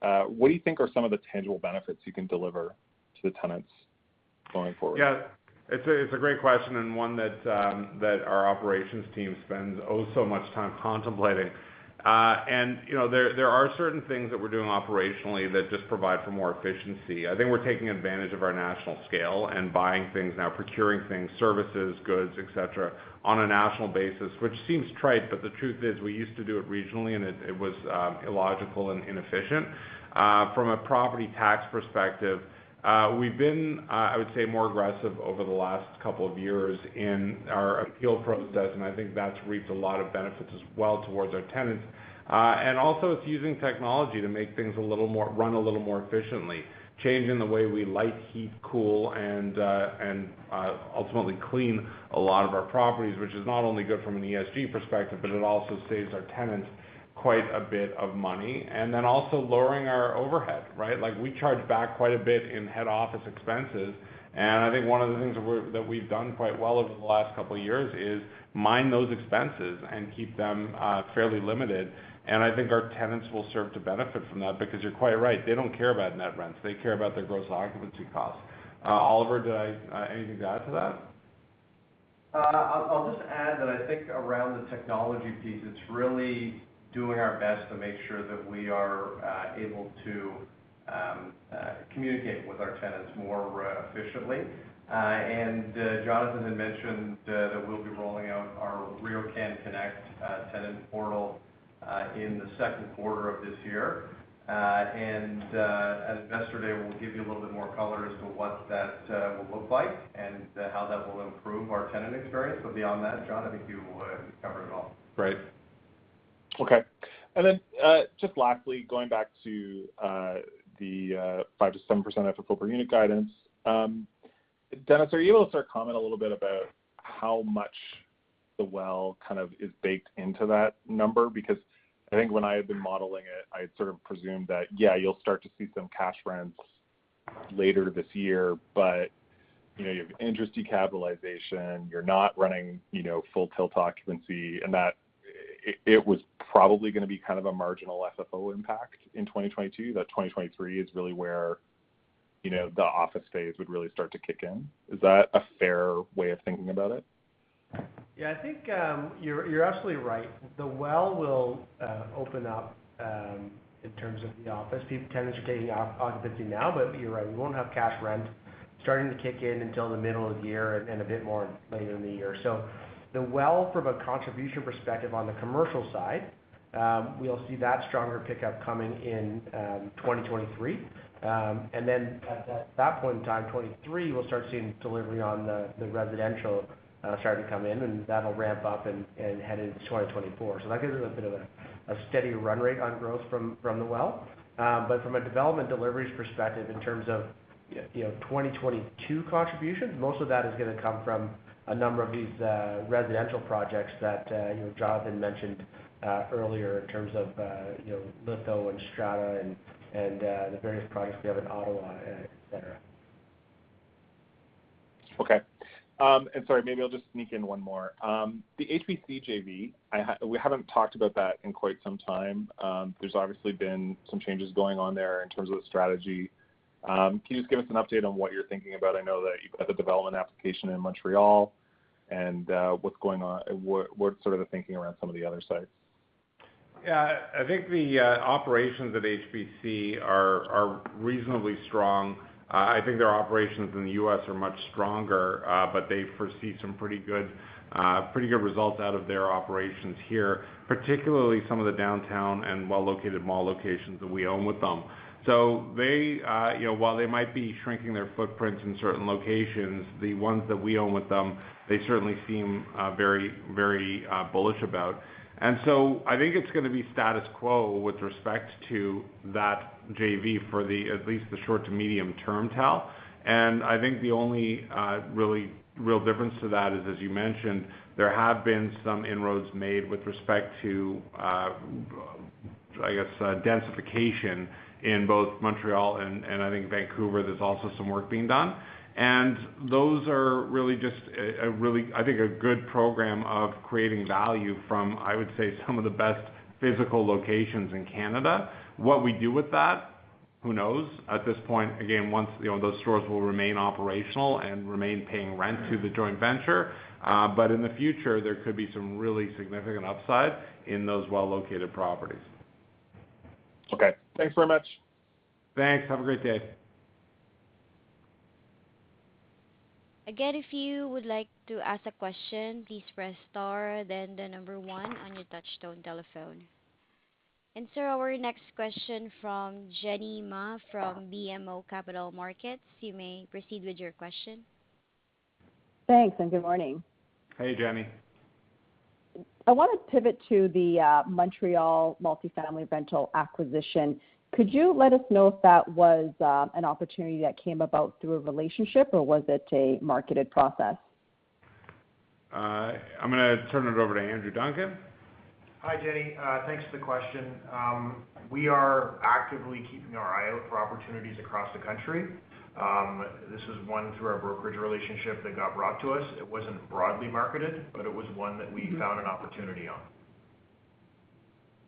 Speaker 11: What do you think are some of the tangible benefits you can deliver to the tenants going forward?
Speaker 3: Yeah. It's a great question, and one that our operations team spends so much time contemplating. You know, there are certain things that we're doing operationally that just provide for more efficiency. I think we're taking advantage of our national scale and buying things now, procuring things, services, goods, et cetera, on a national basis, which seems trite, but the truth is, we used to do it regionally, and it was illogical and inefficient. From a property tax perspective, we've been, I would say, more aggressive over the last couple of years in our appeal process, and I think that's reaped a lot of benefits as well towards our tenants. It's using technology to make things run a little more efficiently, changing the way we light, heat, cool, and ultimately clean a lot of our properties, which is not only good from an ESG perspective, but it also saves our tenants quite a bit of money. Then also lowering our overhead, right? Like, we charge back quite a bit in head office expenses, and I think one of the things that we've done quite well over the last couple of years is mind those expenses and keep them fairly limited. I think our tenants will serve to benefit from that because you're quite right. They don't care about net rents. They care about their gross occupancy costs. Oliver, do you have anything to add to that?
Speaker 12: I'll just add that I think around the technology piece, it's really doing our best to make sure that we are able to communicate with our tenants more efficiently. Jonathan had mentioned that we'll be rolling out our RioCan Connect tenant portal in the second quarter of this year. We'll give you a little bit more color as to what that will look like and how that will improve our tenant experience. Beyond that, Jon, I think you covered it all.
Speaker 3: Great.
Speaker 11: Okay. Just lastly, going back to the 5%-7% FFO per unit guidance. Dennis, are you able to sort of comment a little bit about how much The Well kind of is baked into that number? Because I think when I had been modeling it, I had sort of presumed that, yeah, you'll start to see some cash rents later this year, but, you know, you have interest capitalization, you're not running, you know, full-tilt occupancy, and that it was probably gonna be kind of a marginal FFO impact in 2022, that 2023 is really where, you know, the office phase would really start to kick in. Is that a fair way of thinking about it?
Speaker 4: Yeah. I think you're absolutely right. The Well will open up in terms of the office. Tenants are taking occupancy now, but you're right, we won't have cash rent starting to kick in until the middle of the year and a bit more later in the year. The Well, from a contribution perspective on the commercial side, we'll see that stronger pickup coming in 2023. And then at that point in time, 2023, we'll start seeing delivery on the residential starting to come in, and that'll ramp up and head into 2024. That gives us a bit of a steady run rate on growth from The Well. From a development deliveries perspective in terms of you know, 2022 contributions, most of that is gonna come from a number of these, residential projects that, you know, Jonathan mentioned, earlier in terms of, you know, Litho and Strada and, the various projects we have in Ottawa, et cetera.
Speaker 11: Okay. Sorry, maybe I'll just sneak in one more. The HBC JV, we haven't talked about that in quite some time. There's obviously been some changes going on there in terms of the strategy. Can you just give us an update on what you're thinking about? I know that you've got the development application in Montreal and, what's sort of the thinking around some of the other sites?
Speaker 3: Yeah. I think the operations at HBC are reasonably strong. I think their operations in the U.S. are much stronger, but they foresee some pretty good results out of their operations here, particularly some of the downtown and well-located mall locations that we own with them. They, you know, while they might be shrinking their footprints in certain locations, the ones that we own with them, they certainly seem very bullish about. I think it's gonna be status quo with respect to that JV for at least the short to medium-term, Tal. I think the only real difference to that is, as you mentioned, there have been some inroads made with respect to, I guess, densification in both Montreal and I think Vancouver, there's also some work being done. Those are really just a really, I think, a good program of creating value from, I would say, some of the best physical locations in Canada. What we do with that, who knows? At this point, again, once, you know, those stores will remain operational and remain paying rent to the joint venture, but in the future, there could be some really significant upside in those well-located properties.
Speaker 11: Okay. Thanks very much.
Speaker 3: Thanks. Have a great day.
Speaker 1: Our next question from Jenny Ma from BMO Capital Markets. You may proceed with your question.
Speaker 13: Thanks, and Good morning.
Speaker 3: Hey, Jenny.
Speaker 13: I wanna pivot to the Montreal multifamily rental acquisition. Could you let us know if that was an opportunity that came about through a relationship, or was it a marketed process?
Speaker 3: I'm gonna turn it over to Andrew Duncan.
Speaker 14: Hi, Jenny. Thanks for the question. We are actively keeping our eye out for opportunities across the country. This is one through our brokerage relationship that got brought to us. It wasn't broadly marketed, but it was one that we found an opportunity on.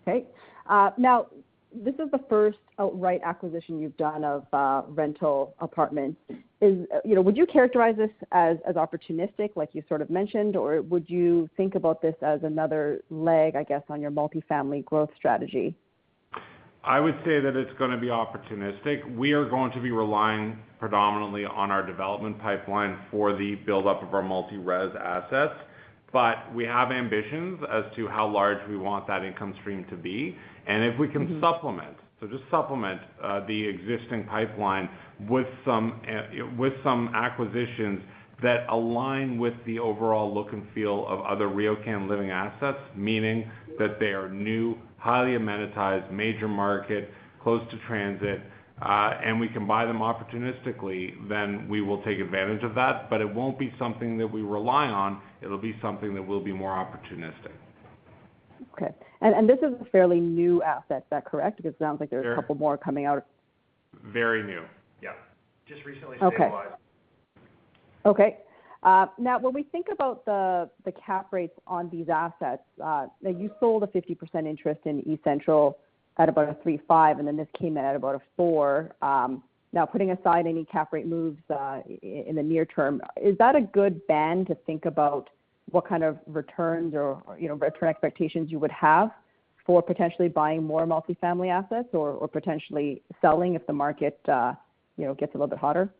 Speaker 13: Okay. Now, this is the first outright acquisition you've done of rental apartments. You know, would you characterize this as opportunistic, like you sort of mentioned, or would you think about this as another leg, I guess, on your multifamily growth strategy?
Speaker 3: I would say that it's gonna be opportunistic. We are going to be relying predominantly on our development pipeline for the buildup of our multi-res assets, but we have ambitions as to how large we want that income stream to be. If we can supplement, just supplement the existing pipeline with some acquisitions that align with the overall look and feel of other RioCan Living assets, meaning that they are new, highly amenitized, major market, close to transit, and we can buy them opportunistically, then we will take advantage of that. It won't be something that we rely on. It'll be something that will be more opportunistic.
Speaker 13: Okay. This is a fairly new asset, is that correct? Because it sounds like there's a couple more coming out.
Speaker 3: Very new. Yeah.
Speaker 14: Just recently stabilized.
Speaker 13: Okay, now, when we think about the cap rates on these assets, now you sold a 50% interest in eCentral at about a 3.5%, and then this came in at about a 4%. Now putting aside any cap rate moves in the near term, is that a good band to think about what kind of returns or you know, return expectations you would have for potentially buying more multifamily assets or potentially selling if the market you know, gets a little bit hotter?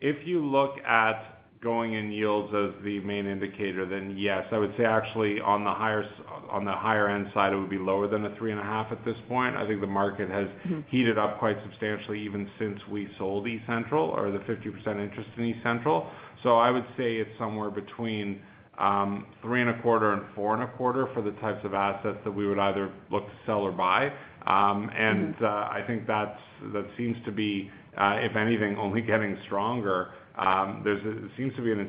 Speaker 3: If you look at going in yields as the main indicator, then yes. I would say actually on the higher-end side, it would be lower than the 3.5% at this point. I think the market has heated up quite substantially even since we sold eCentral or the 50% interest in eCentral. I would say it's somewhere between 3.25% and 4.25% for the types of assets that we would either look to sell or buy. I think that seems to be, if anything, only getting stronger. There seems to be an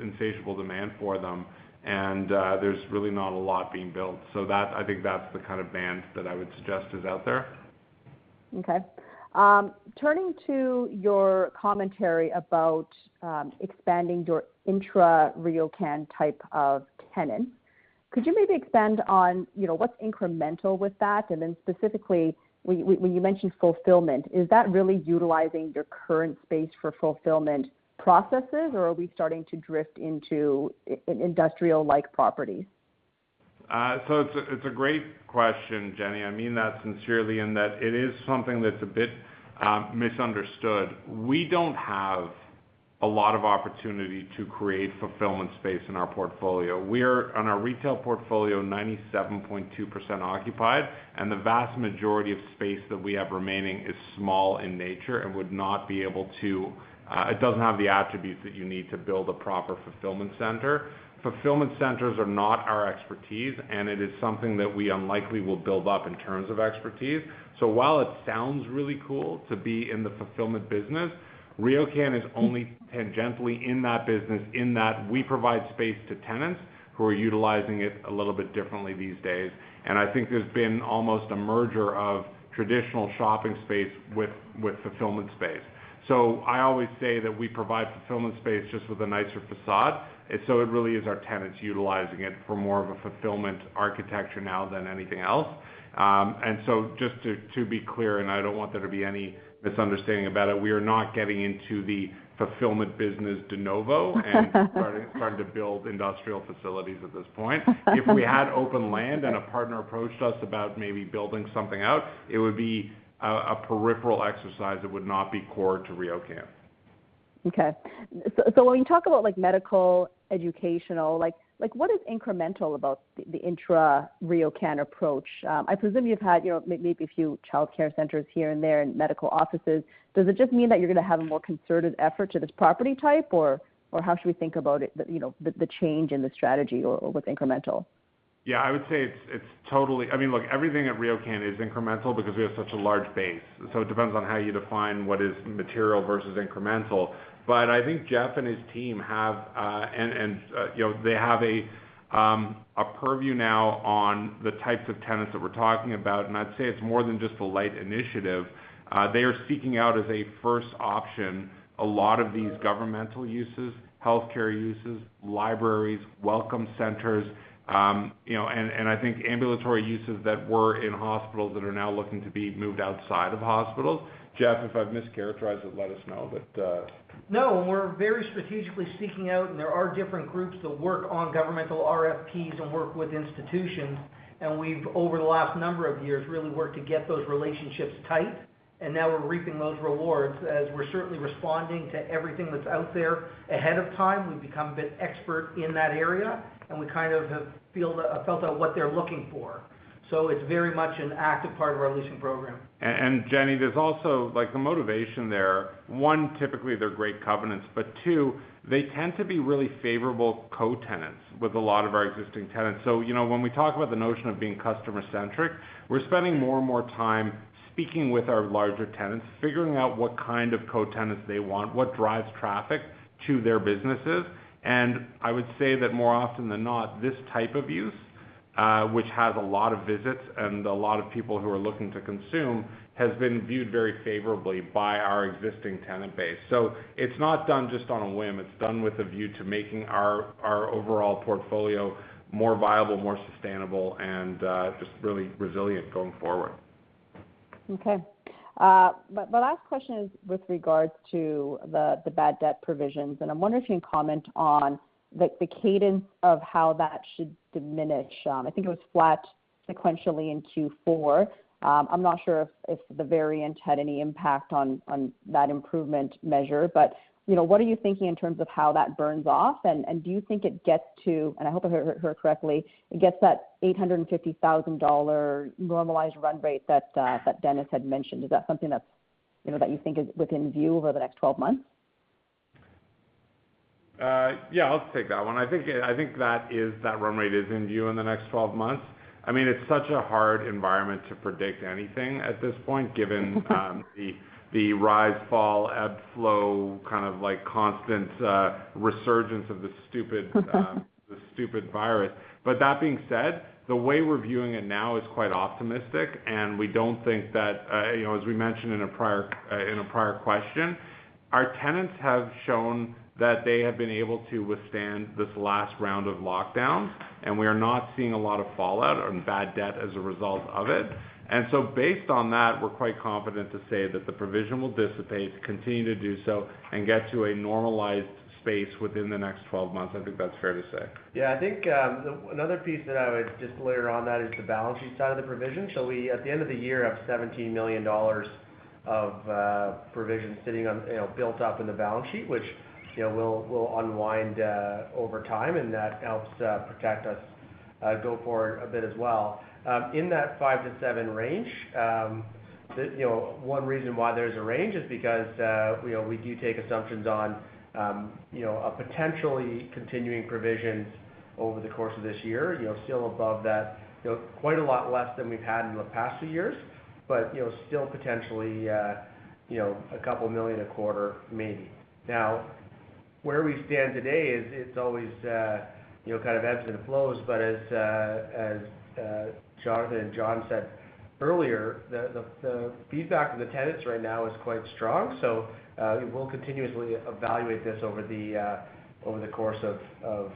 Speaker 3: insatiable demand for them, and there's really not a lot being built. I think that's the kind of band that I would suggest is out there.
Speaker 13: Okay. Turning to your commentary about expanding your intra RioCan type of tenant, could you maybe expand on, you know, what's incremental with that? Specifically, when you mention fulfillment, is that really utilizing your current space for fulfillment processes, or are we starting to drift into an industrial-like property?
Speaker 3: It's a great question, Jenny. I mean that sincerely, and that it is something that's a bit misunderstood. We don't have a lot of opportunity to create fulfillment space in our portfolio. We're 97.2% occupied on our retail portfolio, and the vast majority of space that we have remaining is small in nature and it doesn't have the attributes that you need to build a proper fulfillment center. Fulfillment centers are not our expertise, and it is something that we unlikely will build up in terms of expertise. While it sounds really cool to be in the fulfillment business, RioCan is only tangentially in that business in that we provide space to tenants who are utilizing it a little bit differently these days. I think there's been almost a merger of traditional shopping space with fulfillment space. So I always say that we provide fulfillment space just with a nicer facade. It really is our tenants utilizing it for more of a fulfillment architecture now than anything else. Just to be clear, and I don't want there to be any misunderstanding about it, we are not getting into the fulfillment business de novo and starting to build industrial facilities at this point. If we had open land and a partner approached us about maybe building something out, it would be a peripheral exercise that would not be core to RioCan.
Speaker 13: Okay. When you talk about like, medical, educational, like, what is incremental about the entire RioCan approach? I presume you've had, you know, maybe a few childcare centers here and there and medical offices. Does it just mean that you're gonna have a more concerted effort to this property type? Or how should we think about it, you know, the change in the strategy or what's incremental?
Speaker 3: Yeah. I would say it's totally. I mean, look, everything at RioCan is incremental because we have such a large base. It depends on how you define what is material versus incremental. I think Jeff and his team have, you know, they have a purview now on the types of tenants that we're talking about, and I'd say it's more than just a light initiative. They are seeking out as a first option a lot of these governmental uses, healthcare uses, libraries, welcome centers, you know, I think ambulatory uses that were in hospitals that are now looking to be moved outside of hospitals. Jeff, if I've mischaracterized it, let us know.
Speaker 6: No. We're very strategically seeking out, and there are different groups that work on governmental RFPs and work with institutions, and we've, over the last number of years, really worked to get those relationships tight, and now we're reaping those rewards as we're certainly responding to everything that's out there ahead of time. We've become a bit expert in that area, and we kind of have felt out what they're looking for. It's very much an active part of our leasing program.
Speaker 3: Jenny, there's also, like, the motivation there. One, typically they're great covenants, but two, they tend to be really favorable co-tenants with a lot of our existing tenants. You know, when we talk about the notion of being customer-centric, we're spending more and more time speaking with our larger tenants, figuring out what kind of co-tenants they want, what drives traffic to their businesses. I would say that more often than not, this type of use, which has a lot of visits and a lot of people who are looking to consume, has been viewed very favorably by our existing tenant base. It's not done just on a whim. It's done with a view to making our overall portfolio more viable, more sustainable, and just really resilient going forward.
Speaker 13: Okay. My last question is with regards to the bad debt provisions, and I'm wondering if you can comment on the cadence of how that should diminish. I think it was flat sequentially in Q4. I'm not sure if the variant had any impact on that improvement measure. You know, what are you thinking in terms of how that burns off? Do you think it gets to, and I hope I heard correctly, it gets that 850,000 dollar normalized run rate that Dennis had mentioned. Is that something that you know, that you think is within view over the next 12 months?
Speaker 3: Yeah. I'll take that one. I think that run rate is in view in the next 12 months. I mean, it's such a hard environment to predict anything at this point, given the rise, fall, ebb, flow, kind of like constant resurgence of this stupid virus. That being said, the way we're viewing it now is quite optimistic, and we don't think that, you know, as we mentioned in a prior question, our tenants have shown that they have been able to withstand this last round of lockdowns, and we are not seeing a lot of fallout and bad debt as a result of it. Based on that, we're quite confident to say that the provision will dissipate, continue to do so, and get to a normalized space within the next 12 months. I think that's fair to say.
Speaker 4: Yeah. I think another piece that I would just layer on that is the balance sheet side of the provision. We at the end of the year have 17 million dollars of provision sitting on, you know, built up in the balance sheet, which, you know, will unwind over time, and that helps protect us going forward a bit as well. In that 5%-7% range, one reason why there's a range is because, you know, we do take assumptions on, you know, a potentially continuing provisions over the course of this year, you know, still above that, you know, quite a lot less than we've had in the past few years, but, you know, still potentially, you know, a couple million a quarter maybe. Now, where we stand today is it's always you know, kind of ebbs and flows. As Jonathan and John said earlier, the feedback from the tenants right now is quite strong. We will continuously evaluate this over the course of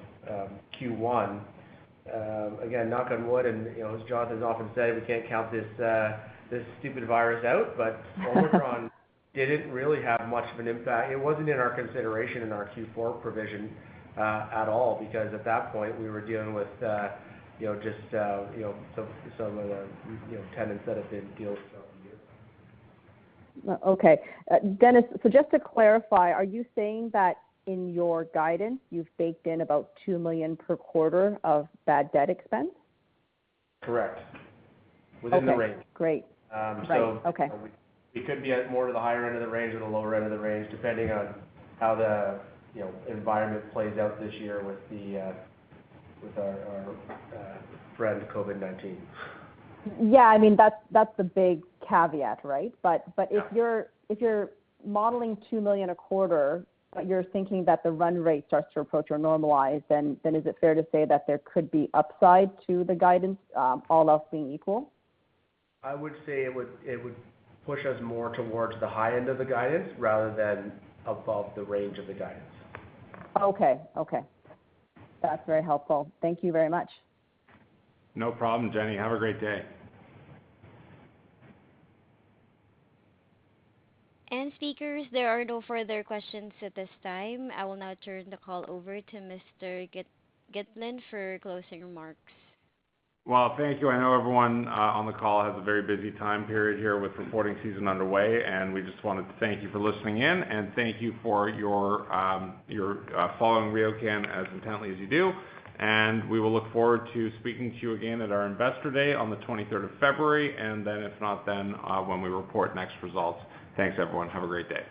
Speaker 4: Q1. Again, knock on wood, you know, as Jonathan's often said, we can't count this stupid virus out. Omicron didn't really have much of an impact. It wasn't in our consideration in our Q4 provision at all because at that point, we were dealing with you know, just you know, some of the you know, tenants that have been ill throughout the year.
Speaker 13: Okay. Dennis, so just to clarify, are you saying that in your guidance, you've baked in about 2 million per quarter of bad debt expense?
Speaker 4: Correct.
Speaker 13: Okay.
Speaker 4: Within the range.
Speaker 13: Great.
Speaker 4: Um, so-
Speaker 13: Right. Okay.
Speaker 4: We could be more to the higher end of the range or the lower end of the range, depending on how the environment plays out this year with our friend COVID-19.
Speaker 13: Yeah. I mean, that's the big caveat, right? If you're modeling 2 million a quarter, you're thinking that the run rate starts to approach or normalize, then is it fair to say that there could be upside to the guidance, all else being equal?
Speaker 4: I would say it would push us more towards the high end of the guidance rather than above the range of the guidance.
Speaker 13: Okay. That's very helpful. Thank you very much.
Speaker 3: No problem, Jenny. Have a great day.
Speaker 1: speakers, there are no further questions at this time. I will now turn the call over to Mr. Gitlin for closing remarks.
Speaker 3: Well, thank you. I know everyone on the call has a very busy time period here with reporting season underway, and we just wanted to thank you for listening in, and thank you for your following RioCan as intently as you do. We will look forward to speaking to you again at our investor day on the 23rd of February, and then if not then, when we report next results. Thanks, everyone. Have a great day.